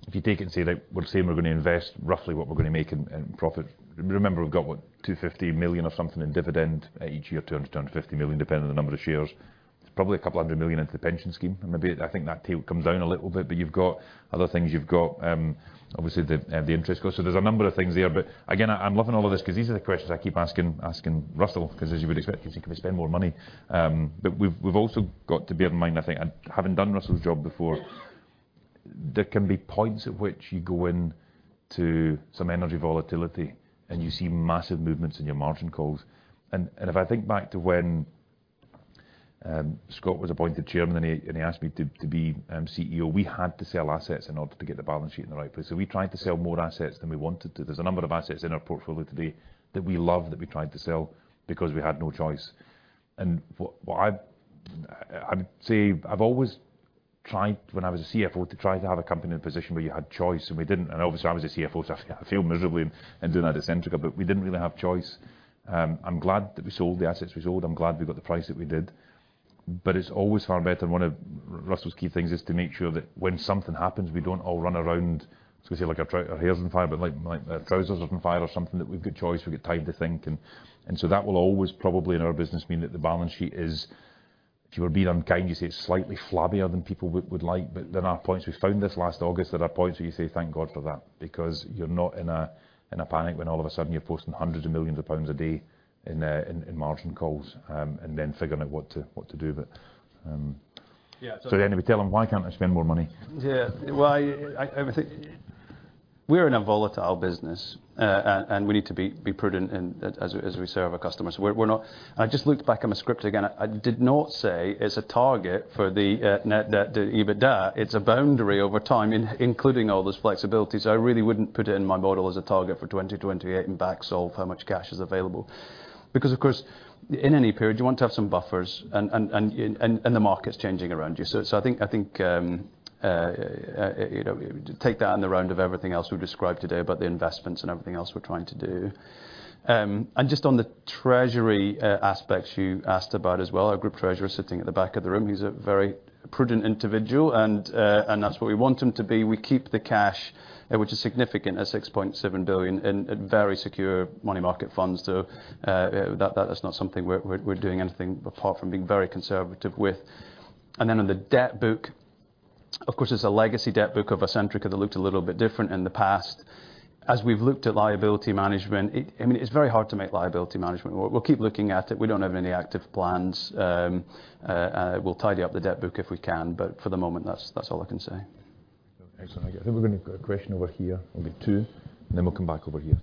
if you take it and say that we're saying we're gonna invest roughly what we're gonna make in profit, remember, we've got, what, 250 million or something in dividend each year, turns down 50 million, depending on the number of shares. It's probably 200 million into the pension scheme, and maybe I think that tail comes down a little bit, but you've got other things. You've got, obviously, the interest goes, so there's a number of things there. Again, I'm loving all of this, 'cause these are the questions I keep asking Russell, 'cause as you would expect, "Can we spend more money?" We've, we've also got to bear in mind, I think, and having done Russell's job before, there can be points at which you go in to some energy volatility, and you see massive movements in your margin calls. If I think back to when Scott was appointed Chairman and he asked me to be CEO, we had to sell assets in order to get the balance sheet in the right place. We tried to sell more assets than we wanted to. There's a number of assets in our portfolio today that we love, that we tried to sell, because we had no choice. I would say I've always tried, when I was a CFO, to try to have a company in a position where you had choice, and we didn't. Obviously, I was a CFO, so I failed miserably in doing that at Centrica, but we didn't really have choice. I'm glad that we sold the assets we sold. I'm glad we got the price that we did, but it's always far better, and one of Russell's key things is to make sure that when something happens, we don't all run around, sort of say, like our hair's on fire, but, like, my trousers are on fire or something, that we've got choice, we've got time to think. That will always probably in our business mean that the balance sheet is, if you were being unkind, you'd say it's slightly flabbier than people would like. There are points, we found this last August, there are points where you say, "Thank God for that," because you're not in a panic when all of a sudden you're posting hundreds of millions of GBP a day in margin calls, and then figuring out what to do with it. Um- Yeah. Anyway, tell him, why can't I spend more money? Well, I would think we're in a volatile business, and we need to be prudent as we serve our customers. We're not. I just looked back at my script again. I did not say it's a target for the net debt to EBITDA. It's a boundary over time, including all those flexibilities. I really wouldn't put it in my model as a target for 2028 and back solve how much cash is available. ... Because of course, in any period, you want to have some buffers, and the market's changing around you. I think, you know, take that in the round of everything else we've described today about the investments and everything else we're trying to do. Just on the treasury aspects you asked about as well, our group treasurer is sitting at the back of the room. He's a very prudent individual, and that's what we want him to be. We keep the cash, which is significant at 6.7 billion, in very secure money market funds. That is not something we're doing anything apart from being very conservative with. On the debt book, of course, it's a legacy debt book of Centrica, that looked a little bit different in the past. As we've looked at liability management, I mean, it's very hard to make liability management. We'll keep looking at it. We don't have any active plans. We'll tidy up the debt book if we can. For the moment, that's all I can say. Excellent. I think we're going to a question over here. Maybe two, and then we'll come back over here.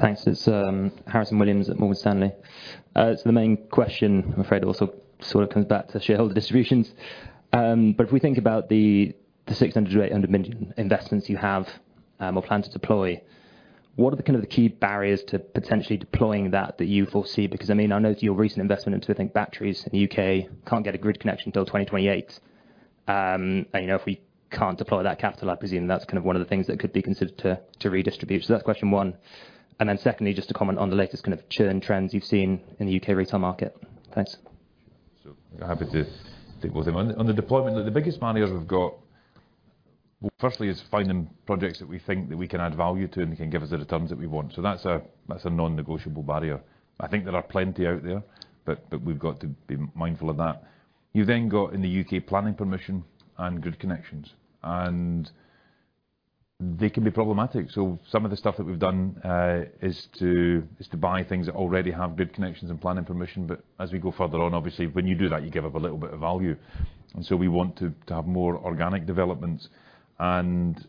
Thanks. It's Harrison Williams at Morgan Stanley. The main question, I'm afraid, also sort of comes back to shareholder distributions. If we think about the 600 million-800 million investments you have or plan to deploy, what are the kind of the key barriers to potentially deploying that you foresee? I mean, I know your recent investment into, I think, batteries in the U.K. can't get a grid connection till 2028. If we can't deploy that capital, I presume that's kind of one of the things that could be considered to redistribute. That's question one. Secondly, just to comment on the latest kind of churn trends you've seen in the U.K. retail market. Thanks. Happy to take both of them. On the deployment, the biggest barrier we've got, firstly, is finding projects that we think that we can add value to and can give us the returns that we want. That's a non-negotiable barrier. I think there are plenty out there, but we've got to be mindful of that. You've got, in the U.K., planning permission and good connections, and they can be problematic. Some of the stuff that we've done is to buy things that already have good connections and planning permission. As we go further on, obviously, when you do that, you give up a little bit of value, we want to have more organic developments, and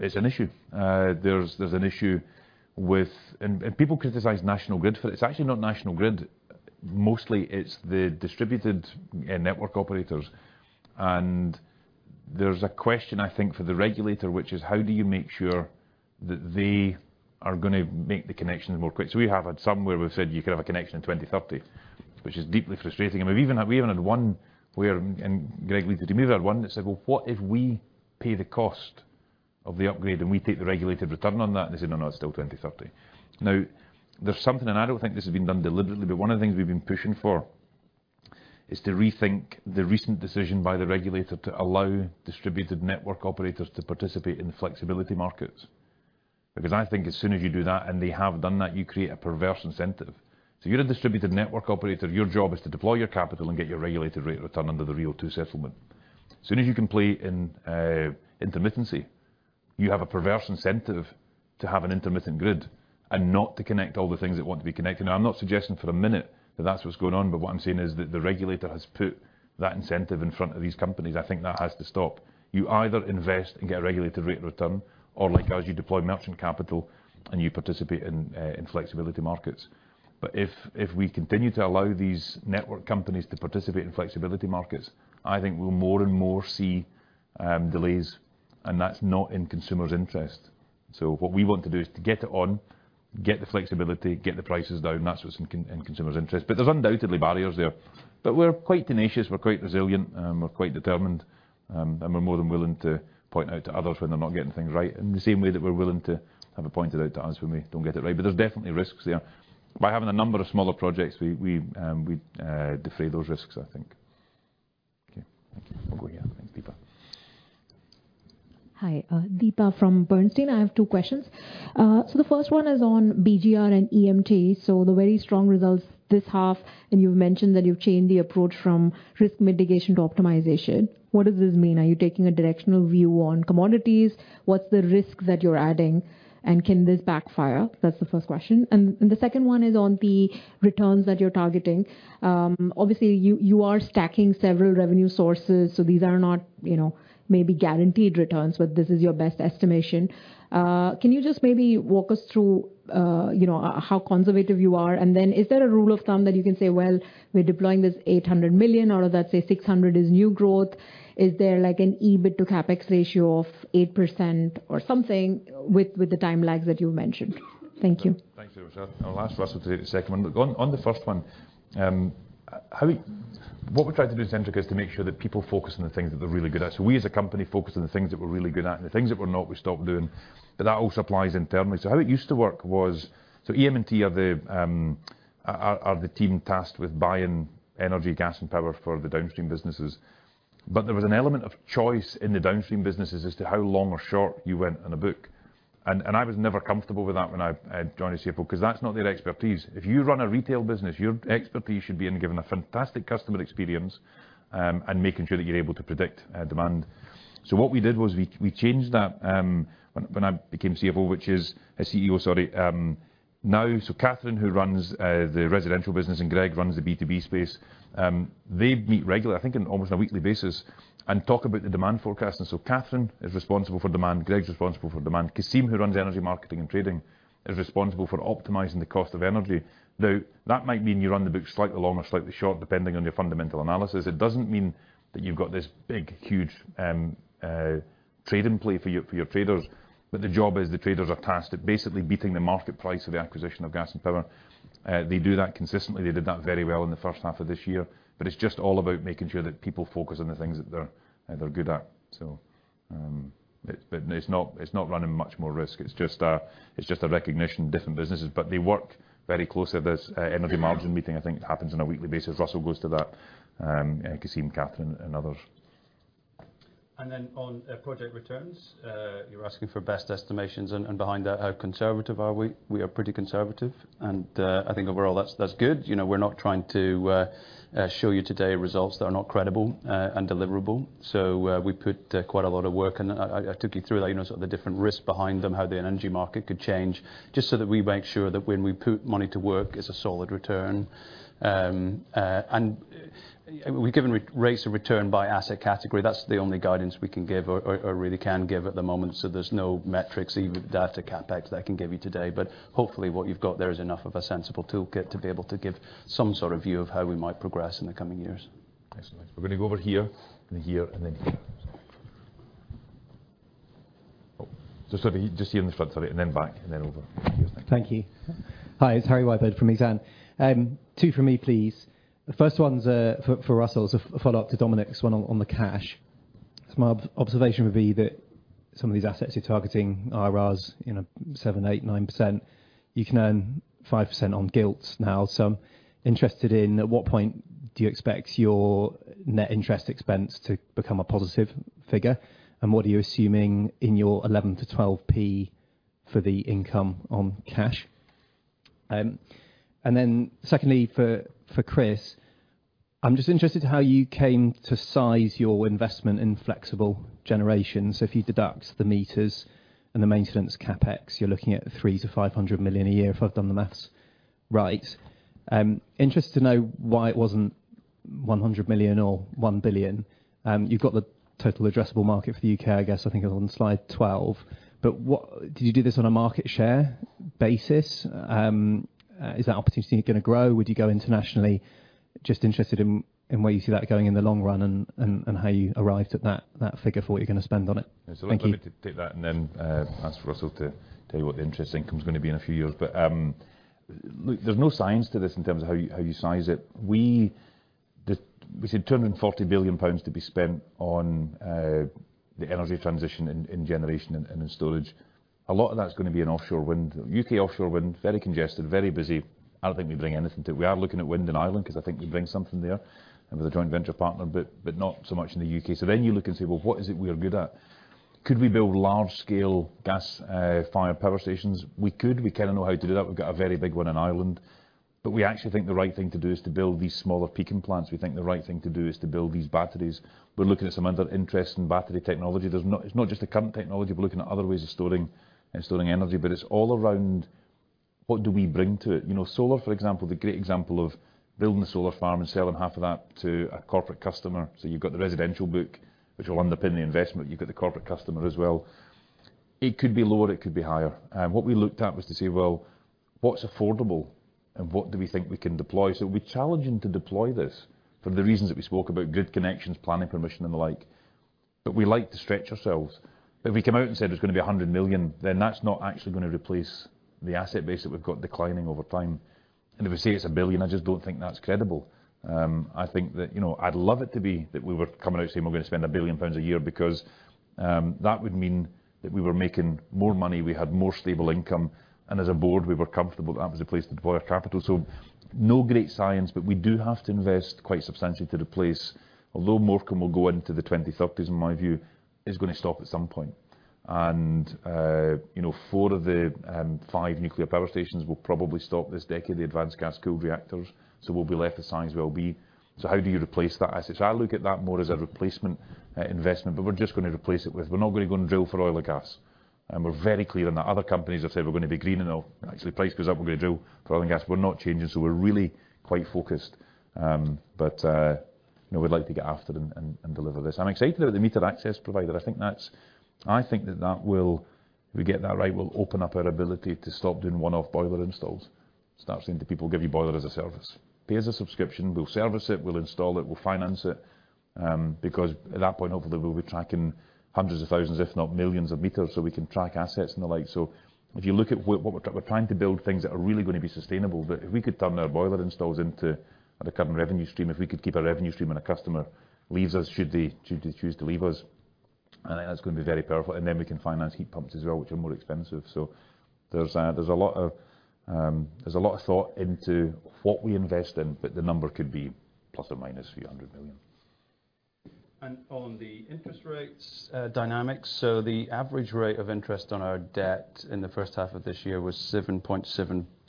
it's an issue. There's an issue with... people criticize National Grid for it. It's actually not National Grid. Mostly, it's the distributed network operators. There's a question, I think, for the regulator, which is: How do you make sure that they are going to make the connections more quick? We have had some where we've said, "You could have a connection in 2030," which is deeply frustrating. We've even had one where, Greg, did we have one that said, "Well, what if we pay the cost of the upgrade, and we take the regulated return on that?" They said, "No, no, it's still 2030." There's something, and I don't think this has been done deliberately, but one of the things we've been pushing for is to rethink the recent decision by the regulator to allow distributed network operators to participate in the flexibility markets. I think as soon as you do that, and they have done that, you create a perverse incentive. You're a distributed network operator. Your job is to deploy your capital and get your regulated rate of return under the RIIO-2 settlement. Soon as you can play in intermittency, you have a perverse incentive to have an intermittent grid and not to connect all the things that want to be connected. I'm not suggesting for a minute that that's what's going on, but what I'm saying is that the regulator has put that incentive in front of these companies. I think that has to stop. You either invest and get a regulated rate return or, like as you deploy merchant capital, and you participate in flexibility markets. If we continue to allow these network companies to participate in flexibility markets, I think we'll more and more see delays, and that's not in consumers' interest. What we want to do is to get it on, get the flexibility, get the prices down, that's what's in consumers' interest. There's undoubtedly barriers there. We're quite tenacious, we're quite resilient, we're quite determined, and we're more than willing to point out to others when they're not getting things right, in the same way that we're willing to have it pointed out to us when we don't get it right. There's definitely risks there. By having a number of smaller projects, we defray those risks, I think. Okay, thank you. We'll go here. Thanks, Deepa. Hi, Deepa from Bernstein. I have two questions. The first one is on BGR and EM&T. The very strong results this half, and you've mentioned that you've changed the approach from risk mitigation to optimization. What does this mean? Are you taking a directional view on commodities? What's the risk that you're adding, and can this backfire? That's the first question. The second one is on the returns that you're targeting. Obviously, you are stacking several revenue sources, so these are not, you know, maybe guaranteed returns, but this is your best estimation. Can you just maybe walk us through, you know, how conservative you are? Is there a rule of thumb that you can say, "Well, we're deploying this 800 million, or of that, say, 600 is new growth"? Is there like an EBIT to CapEx ratio of 8% or something with the time lags that you mentioned? Thank you. Thanks, Deepa. I'll ask Russell to the second one. On the first one, what we try to do at Centrica is to make sure that people focus on the things that they're really good at. We as a company focus on the things that we're really good at, and the things that we're not, we stop doing. That also applies internally. How it used to work was, EM&T are the team tasked with buying energy, gas, and power for the downstream businesses. There was an element of choice in the downstream businesses as to how long or short you went on a book, and I was never comfortable with that when I joined as CFO, 'cause that's not their expertise. If you run a retail business, your expertise should be in giving a fantastic customer experience, and making sure that you're able to predict demand. What we did was we changed that when I became CFO, A CEO, sorry, now. Catherine, who runs the residential business and Greg runs the B2B space, they meet regularly, I think on almost a weekly basis, and talk about the demand forecast. Catherine is responsible for demand, Greg's responsible for demand. Cassim, who runs Energy Marketing & Trading, is responsible for optimizing the cost of energy. That might mean you run the book slightly long or slightly short, depending on your fundamental analysis. It doesn't mean that you've got this big, huge trading play for your traders.... The job is the traders are tasked at basically beating the market price of the acquisition of gas and power. They do that consistently. They did that very well in the 1st half of this year, but it's just all about making sure that people focus on the things that they're good at. It's not running much more risk. It's just a recognition of different businesses, but they work very closely. There's an energy margin meeting, I think it happens on a weekly basis. Russell goes to that, Cassim, Catherine, and others. On project returns, you're asking for best estimations and behind that, how conservative are we? We are pretty conservative. I think overall that's good. You know, we're not trying to show you today results that are not credible and deliverable. We put quite a lot of work in. I took you through that, you know, sort of the different risks behind them, how the energy market could change, just so that we make sure that when we put money to work, it's a solid return. We've given rates of return by asset category. That's the only guidance we can give or really can give at the moment. There's no metrics, even data CapEx that I can give you today. Hopefully what you've got there is enough of a sensible toolkit to be able to give some sort of view of how we might progress in the coming years. Excellent. We're going to go over here, and here, and then here. Oh, so sorry, just here in the front, sorry, and then back, and then over. Thank you. Hi, it's Harry Wyburd from Exane. Two for me, please. The first one's for Russell, is a follow-up to Dominic's one on the cash. My observation would be that some of these assets you're targeting, IRRs, you know, 7%, 8%, 9%. You can earn 5% on gilts now, so I'm interested in at what point do you expect your net interest expense to become a positive figure, and what are you assuming in your 11p-12p for the income on cash? Then secondly, for Chris, I'm just interested how you came to size your investment in flexible generation. If you deduct the meters and the maintenance CapEx, you're looking at 300 million-500 million a year, if I've done the math right. Interested to know why it wasn't 100 million or 1 billion. You've got the total addressable market for the U.K., I guess, I think it was on slide 12. Did you do this on a market share basis? Is that opportunity going to grow? Would you go internationally? Just interested in where you see that going in the long run and how you arrived at that figure for what you're going to spend on it. Thank you. Yes. I'd like to take that and then ask Russell to tell you what the interest income is going to be in a few years. Look, there's no science to this in terms of how you, how you size it. We said 240 billion pounds to be spent on the energy transition in generation and in storage. A lot of that's going to be in offshore wind. U.K. offshore wind, very congested, very busy. I don't think we bring anything to it. We are looking at wind in Ireland, because I think we bring something there with a joint venture partner, but not so much in the U.K. Then you look and say, "Well, what is it we are good at? Could we build large-scale gas fire power stations?" We could. We kind of know how to do that. We've got a very big one in Ireland. We actually think the right thing to do is to build these smaller peaking plants. We think the right thing to do is to build these batteries. We're looking at some other interests in battery technology. It's not just the current technology, we're looking at other ways of storing, and storing energy, but it's all around what do we bring to it? You know, solar, for example, the great example of building a solar farm and selling half of that to a corporate customer. You've got the residential book, which will underpin the investment. You've got the corporate customer as well. It could be lower, it could be higher. What we looked at was to say, well, what's affordable, and what do we think we can deploy? We're challenging to deploy this for the reasons that we spoke about, good connections, planning, permission, and the like. We like to stretch ourselves. If we come out and said it's going to be 100 million, that's not actually going to replace the asset base that we've got declining over time. If we say it's 1 billion, I just don't think that's credible. I think that, you know, I'd love it to be that we were coming out saying we're going to spend 1 billion pounds a year because that would mean that we were making more money, we had more stable income, and as a board, we were comfortable that was a place to deploy our capital. No great science, we do have to invest quite substantially to replace... Although Morecambe will go into the 2030s, in my view, it's going to stop at some point. You know, four of the five nuclear power stations will probably stop this decade, the Advanced Gas-cooled Reactors, so we'll be left with Sizewell B. How do you replace that asset? I look at that more as a replacement investment, but we're just going to replace it. We're not going to go and drill for oil or gas, and we're very clear on that. Other companies have said, "We're going to be green enough, actually, price goes up, we're going to drill for oil and gas." We're not changing, so we're really quite focused. You know, we'd like to get after them and deliver this. I'm excited about the Meter Asset Provider. I think that that will, if we get that right, will open up our ability to stop doing one-off boiler installs. Start saying to people, "Give you boiler as a service." Pay as a subscription, we'll service it, we'll install it, we'll finance it, because at that point, hopefully, we'll be tracking hundreds of thousands, if not millions of meters, so we can track assets and the like. If you look at what we're trying to build things that are really going to be sustainable. If we could turn our boiler installs into a recurring revenue stream, if we could keep a revenue stream and a customer leaves us, should they choose to leave us, I think that's going to be very powerful. Then we can finance heat pumps as well, which are more expensive. There's a lot of thought into what we invest in, but the number could be ± a few hundred million GBP. On the interest rates, dynamics, the average rate of interest on our debt in the H1 of this year was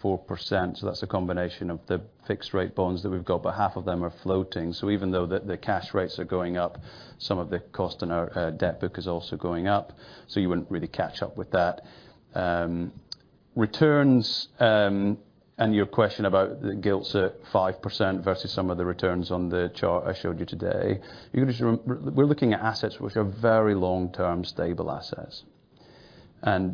7.74%. That's a combination of the fixed rate bonds that we've got, but half of them are floating. Even though the cash rates are going up, some of the cost on our debt book is also going up, so you wouldn't really catch up with that. Returns, and your question about the gilts at 5% versus some of the returns on the chart I showed you today, you can just we're looking at assets which are very long-term, stable assets.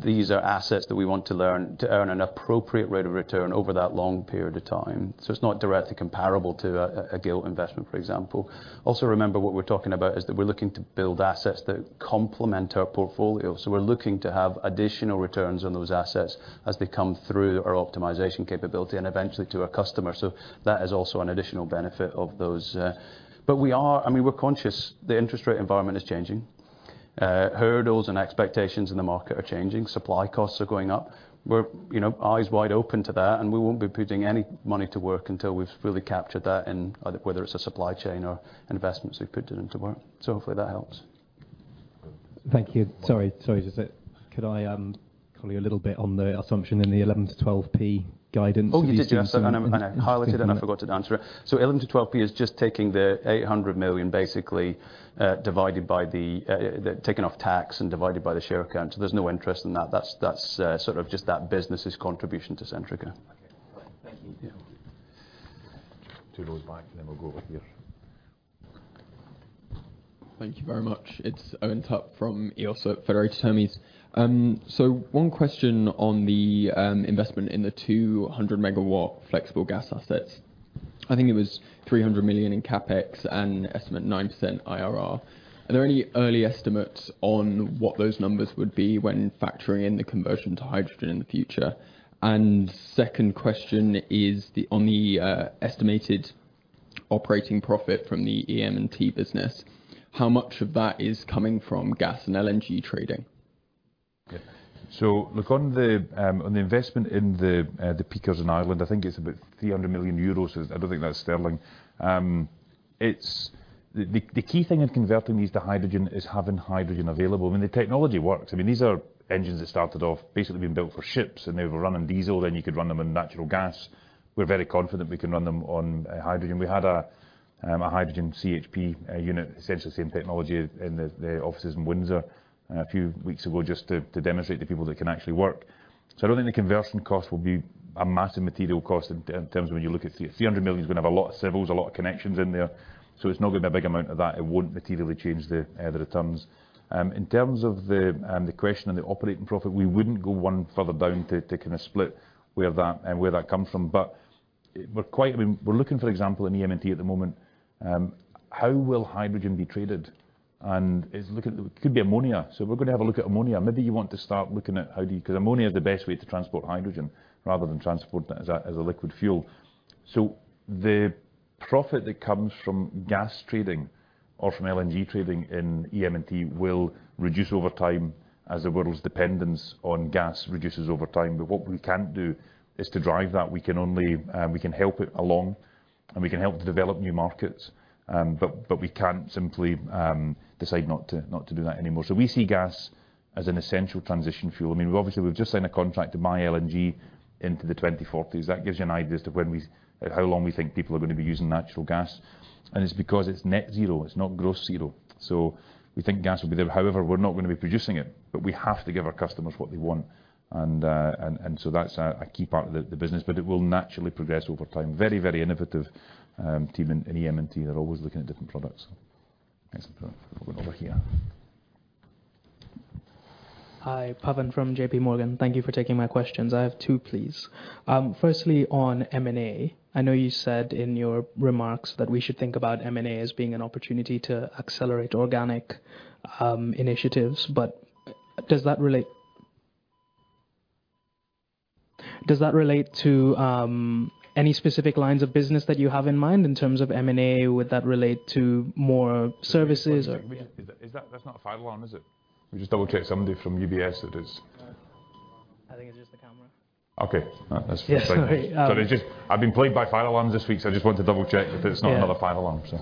These are assets that we want to earn an appropriate rate of return over that long period of time. It's not directly comparable to a gilt investment, for example. Also, remember, what we're talking about is that we're looking to build assets that complement our portfolio. We're looking to have additional returns on those assets as they come through our optimization capability and eventually to our customers. That is also an additional benefit of those. We are, I mean, we're conscious the interest rate environment is changing. Hurdles and expectations in the market are changing. Supply costs are going up. We're, you know, eyes wide open to that, and we won't be putting any money to work until we've really captured that in, whether it's a supply chain or investments we've put into work. Hopefully that helps. Thank you. Sorry, just that, could I call you a little bit on the assumption in the 11p-12p guidance? Oh, yes, and I, and I highlighted and I forgot to answer it. 11p-12p is just taking the 800 million basically, divided by the taken off tax and divided by the share account. There's no interest in that. That's sort of just that business's contribution to Centrica. Okay, thank you. Two rows back, and then we'll go over here. Thank you very much. It's Owen Tutt from EOS at Federated Hermes. One question on the investment in the 200 MW flexible gas assets. I think it was 300 million in CapEx and estimate 9% IRR. Are there any early estimates on what those numbers would be when factoring in the conversion to hydrogen in the future? Second question is on the estimated operating profit from the EM&T business, how much of that is coming from gas and LNG trading? Yeah. Look, on the investment in the Peakers in Ireland, I think it's about 300 million euros. I don't think that's sterling. The key thing in converting these to hydrogen is having hydrogen available. I mean, the technology works. I mean, these are engines that started off basically being built for ships, they were running diesel, you could run them on natural gas. We're very confident we can run them on hydrogen. We had a hydrogen CHP, a unit, essentially the same technology in the offices in Windsor a few weeks ago, just to demonstrate to people that it can actually work. I don't think the conversion cost will be a massive material cost in terms of when you look at it. 300 million is gonna have a lot of civils, a lot of connections in there, so it's not gonna be a big amount of that. It won't materially change the returns. In terms of the question and the operating profit, we wouldn't go one further down to kind of split where that comes from. I mean, we're looking, for example, in EM&T at the moment, how will hydrogen be traded? It could be ammonia. We're gonna have a look at ammonia. Maybe you want to start looking at how do you. 'Cause ammonia is the best way to transport hydrogen rather than transport that as a liquid fuel. The profit that comes from gas trading or from LNG trading in EM&T will reduce over time as the world's dependence on gas reduces over time. What we can't do is to drive that. We can only, we can help it along, and we can help to develop new markets, but we can't simply decide not to do that anymore. We see gas as an essential transition fuel. I mean, obviously, we've just signed a contract to buy LNG into the 2040s. That gives you an idea as to when we, how long we think people are going to be using natural gas, and it's because it's net zero, it's not gross zero. We think gas will be there. However, we're not going to be producing it, but we have to give our customers what they want. That's a key part of the business, but it will naturally progress over time. Very innovative team in EM&T. They're always looking at different products. Thanks. Over here. Hi, Pavan from JPMorgan. Thank you for taking my questions. I have two, please. Firstly, on M&A. I know you said in your remarks that we should think about M&A as being an opportunity to accelerate organic initiatives, but Does that relate to any specific lines of business that you have in mind in terms of M&A? Would that relate to more services or- That's not a fire alarm, is it? Let me just double-check. Somebody from UBS. I think it's just the camera. Okay. Yeah, sorry. Sorry, just I've been plagued by fire alarms this week, so I just want to double-check that it's not another fire alarm, so.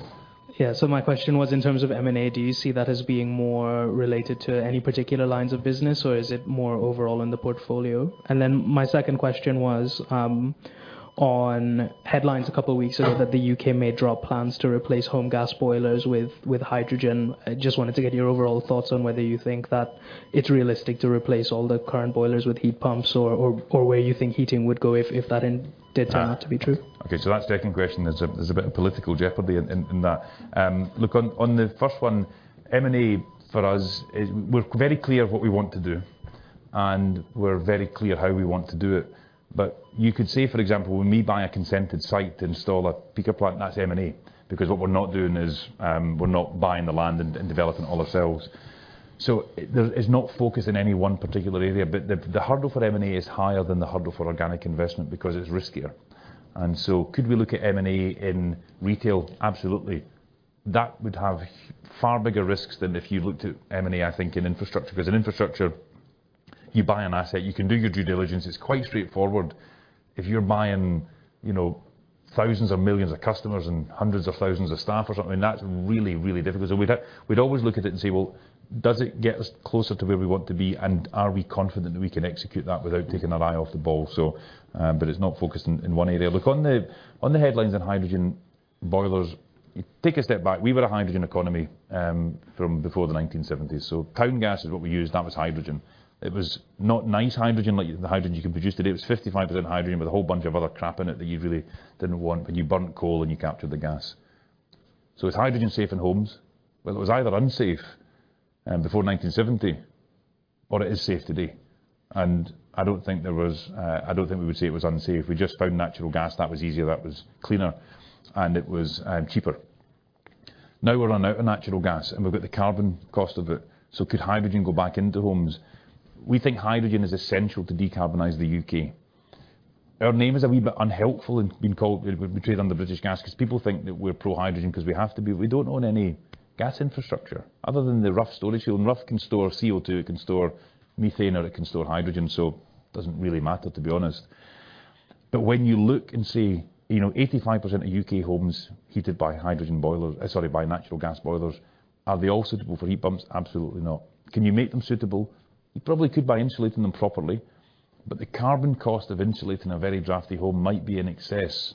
Yeah. My question was, in terms of M&A, do you see that as being more related to any particular lines of business, or is it more overall in the portfolio? My second question was on headlines a couple of weeks ago that the U.K. may drop plans to replace home gas boilers with hydrogen. I just wanted to get your overall thoughts on whether you think that it's realistic to replace all the current boilers with heat pumps or where you think heating would go if that did turn out to be true? Okay, so that second question, there's a bit of political jeopardy in that. Look, on the first one, M&A for us is, we're very clear what we want to do, and we're very clear how we want to do it. You could see, for example, when we buy a consented site to install a Peaker Plant, that's M&A, because what we're not doing is, we're not buying the land and developing it all ourselves. There's no focus in any one particular area, but the hurdle for M&A is higher than the hurdle for organic investment because it's riskier. Could we look at M&A in retail? Absolutely. That would have far bigger risks than if you looked at M&A, I think, in infrastructure, because in infrastructure, you buy an asset, you can do your due diligence, it's quite straightforward. If you're buying, you know, thousands of millions of customers and hundreds of thousands of staff or something, that's really, really difficult. We'd always look at it and say, "Well, does it get us closer to where we want to be, and are we confident that we can execute that without taking our eye off the ball?" It's not focused in one area. Look, on the headlines on hydrogen boilers, take a step back. We were a hydrogen economy from before the 1970s. Town gas is what we used. That was hydrogen. It was not nice hydrogen, like the hydrogen you can produce today. It was 55% hydrogen with a whole bunch of other crap in it that you really didn't want, but you burnt coal and you captured the gas. Is hydrogen safe in homes? Well, it was either unsafe, before 1970, or it is safe today. I don't think there was, I don't think we would say it was unsafe. We just found natural gas that was easier, that was cleaner, and it was cheaper. Now we're running out of natural gas, and we've got the carbon cost of it. Could hydrogen go back into homes? We think hydrogen is essential to decarbonize the U.K. Our name is a wee bit unhelpful and been called. We trade under British Gas, because people think that we're pro-hydrogen because we have to be. We don't own any gas infrastructure, other than the Rough storage field. Rough can store CO2, it can store methane, or it can store hydrogen, so doesn't really matter, to be honest. When you look and see, you know, 85% of U.K. homes heated by hydrogen boilers, sorry, by natural gas boilers, are they all suitable for heat pumps? Absolutely not. Can you make them suitable? You probably could by insulating them properly, but the carbon cost of insulating a very drafty home might be in excess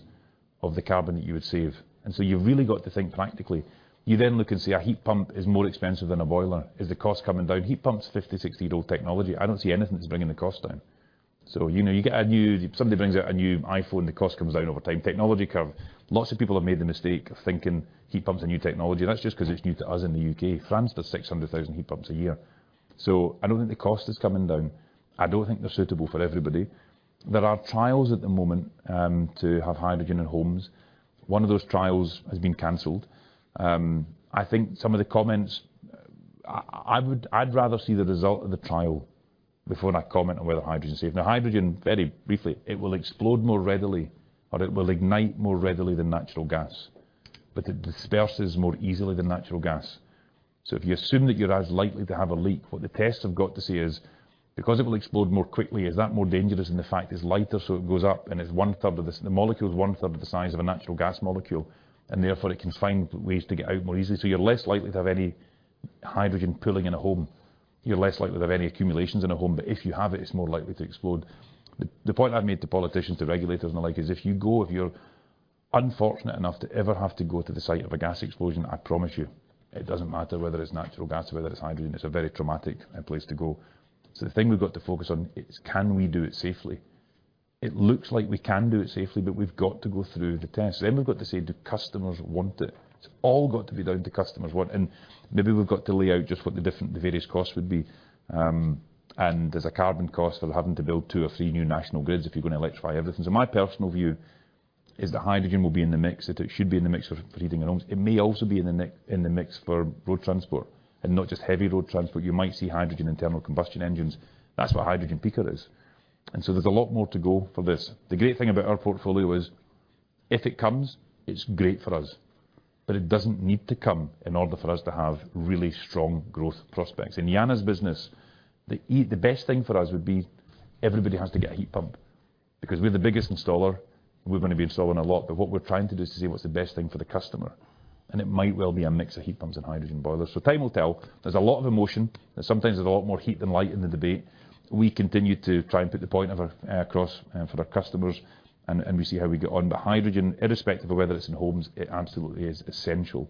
of the carbon that you would save. You've really got to think practically. You look and see a heat pump is more expensive than a boiler. Is the cost coming down? Heat pump's a 50, 60-year-old technology. I don't see anything that's bringing the cost down. You know, somebody brings out a new iPhone, the cost comes down over time. Technology curve. Lots of people have made the mistake of thinking heat pump's a new technology. That's just 'cause it's new to us in the U.K. France does 600,000 heat pumps a year. I don't think the cost is coming down. I don't think they're suitable for everybody. There are trials at the moment to have hydrogen in homes. One of those trials has been canceled. I think some of the comments, I would, I'd rather see the result of the trial before I comment on whether hydrogen is safe. Hydrogen, very briefly, it will explode more readily, or it will ignite more readily than natural gas, but it disperses more easily than natural gas. If you assume that you're as likely to have a leak, what the tests have got to say is, because it will explode more quickly, is that more dangerous than the fact it's lighter, so it goes up, and it's one-third of the molecule is 1/3 of the size of a natural gas molecule, and therefore, it can find ways to get out more easily. You're less likely to have any hydrogen pooling in a home. You're less likely to have any accumulations in a home. If you have it's more likely to explode. The point I've made to politicians, to regulators, and the like, is if you go... if you're unfortunate enough to ever have to go to the site of a gas explosion, I promise you, it doesn't matter whether it's natural gas or whether it's hydrogen, it's a very traumatic place to go. The thing we've got to focus on is, can we do it safely? It looks like we can do it safely, but we've got to go through the tests. We've got to say, do customers want it? It's all got to be down to customers want, and maybe we've got to lay out just what the different, the various costs would be. And there's a carbon cost of having to build two or three new national grids if you're going to electrify everything. My personal view is that hydrogen will be in the mix, it should be in the mix for heating our homes. It may also be in the mix for road transport, and not just heavy road transport. You might see hydrogen internal combustion engines. That's what Hydrogen Peaker is. There's a lot more to go for this. The great thing about our portfolio is, if it comes, it's great for us, but it doesn't need to come in order for us to have really strong growth prospects. In Jana's business, the best thing for us would be everybody has to get a heat pump, because we're the biggest installer, and we're going to be installing a lot. What we're trying to do is to see what's the best thing for the customer, and it might well be a mix of heat pumps and hydrogen boilers. Time will tell. There's a lot of emotion, and sometimes there's a lot more heat than light in the debate. We continue to try and put the point of our across for our customers, and we see how we get on. Hydrogen, irrespective of whether it's in homes, it absolutely is essential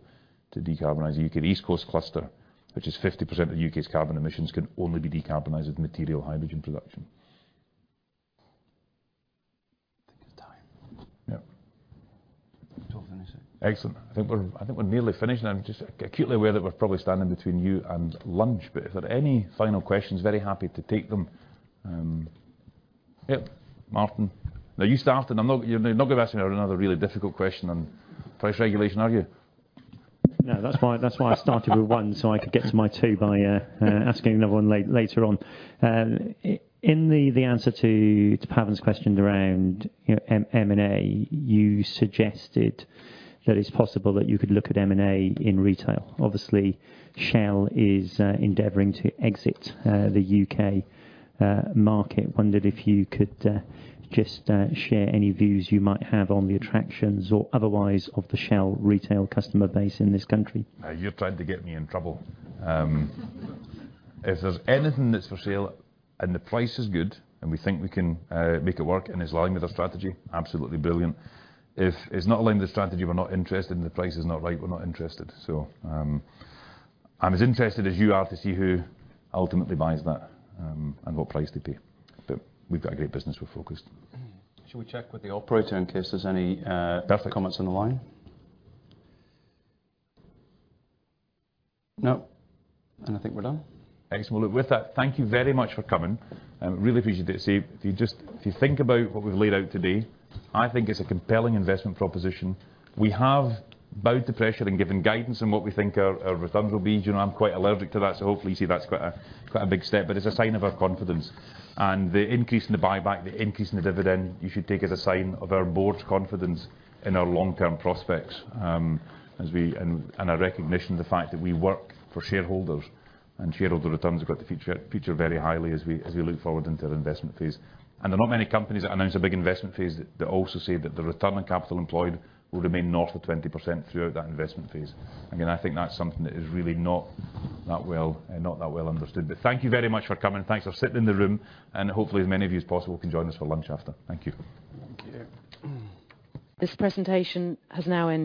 to decarbonize the U.K. The East Coast Cluster, which is 50% of the U.K.'s carbon emissions, can only be decarbonized with material hydrogen production. I think it's time. Yeah. Do you want to finish it? Excellent. I think we're nearly finished now. I'm just acutely aware that we're probably standing between you and lunch, but if there are any final questions, very happy to take them. Yep, Martin. Now, you started, you're not going to ask me another really difficult question on price regulation, are you? That's why, that's why I started with one, so I could get to my two by asking another one later on. In the answer to Pavan's question around, you know, M&A, you suggested that it's possible that you could look at M&A in retail. Shell is endeavoring to exit the U.K. market. Wondered if you could just share any views you might have on the attractions or otherwise, of the Shell retail customer base in this country? You're trying to get me in trouble. If there's anything that's for sale and the price is good, and we think we can make it work and is in line with our strategy, absolutely brilliant. If it's not in line with the strategy, we're not interested, and if the price is not right, we're not interested. I'm as interested as you are to see who ultimately buys that and what price they pay. We've got a great business. We're focused. Should we check with the operator in case there's any? Perfect... comments on the line? No, I think we're done. Excellent. Well, look, with that, thank you very much for coming. I really appreciate it. If you think about what we've laid out today, I think it's a compelling investment proposition. We have both the pressure and given guidance on what we think our returns will be. You know, I'm quite allergic to that, so hopefully you see that's quite a big step, but it's a sign of our confidence. The increase in the buyback, the increase in the dividend, you should take as a sign of our board's confidence in our long-term prospects, as we and a recognition of the fact that we work for shareholders, and shareholder returns have got to feature very highly as we look forward into the investment phase. There are not many companies that announce a big investment phase that also say that the return on capital employed will remain north of 20% throughout that investment phase. Again, I think that's something that is really not that well, not that well understood. Thank you very much for coming. Thanks for sitting in the room, and hopefully, as many of you as possible can join us for lunch after. Thank you. Thank you. This presentation has now ended.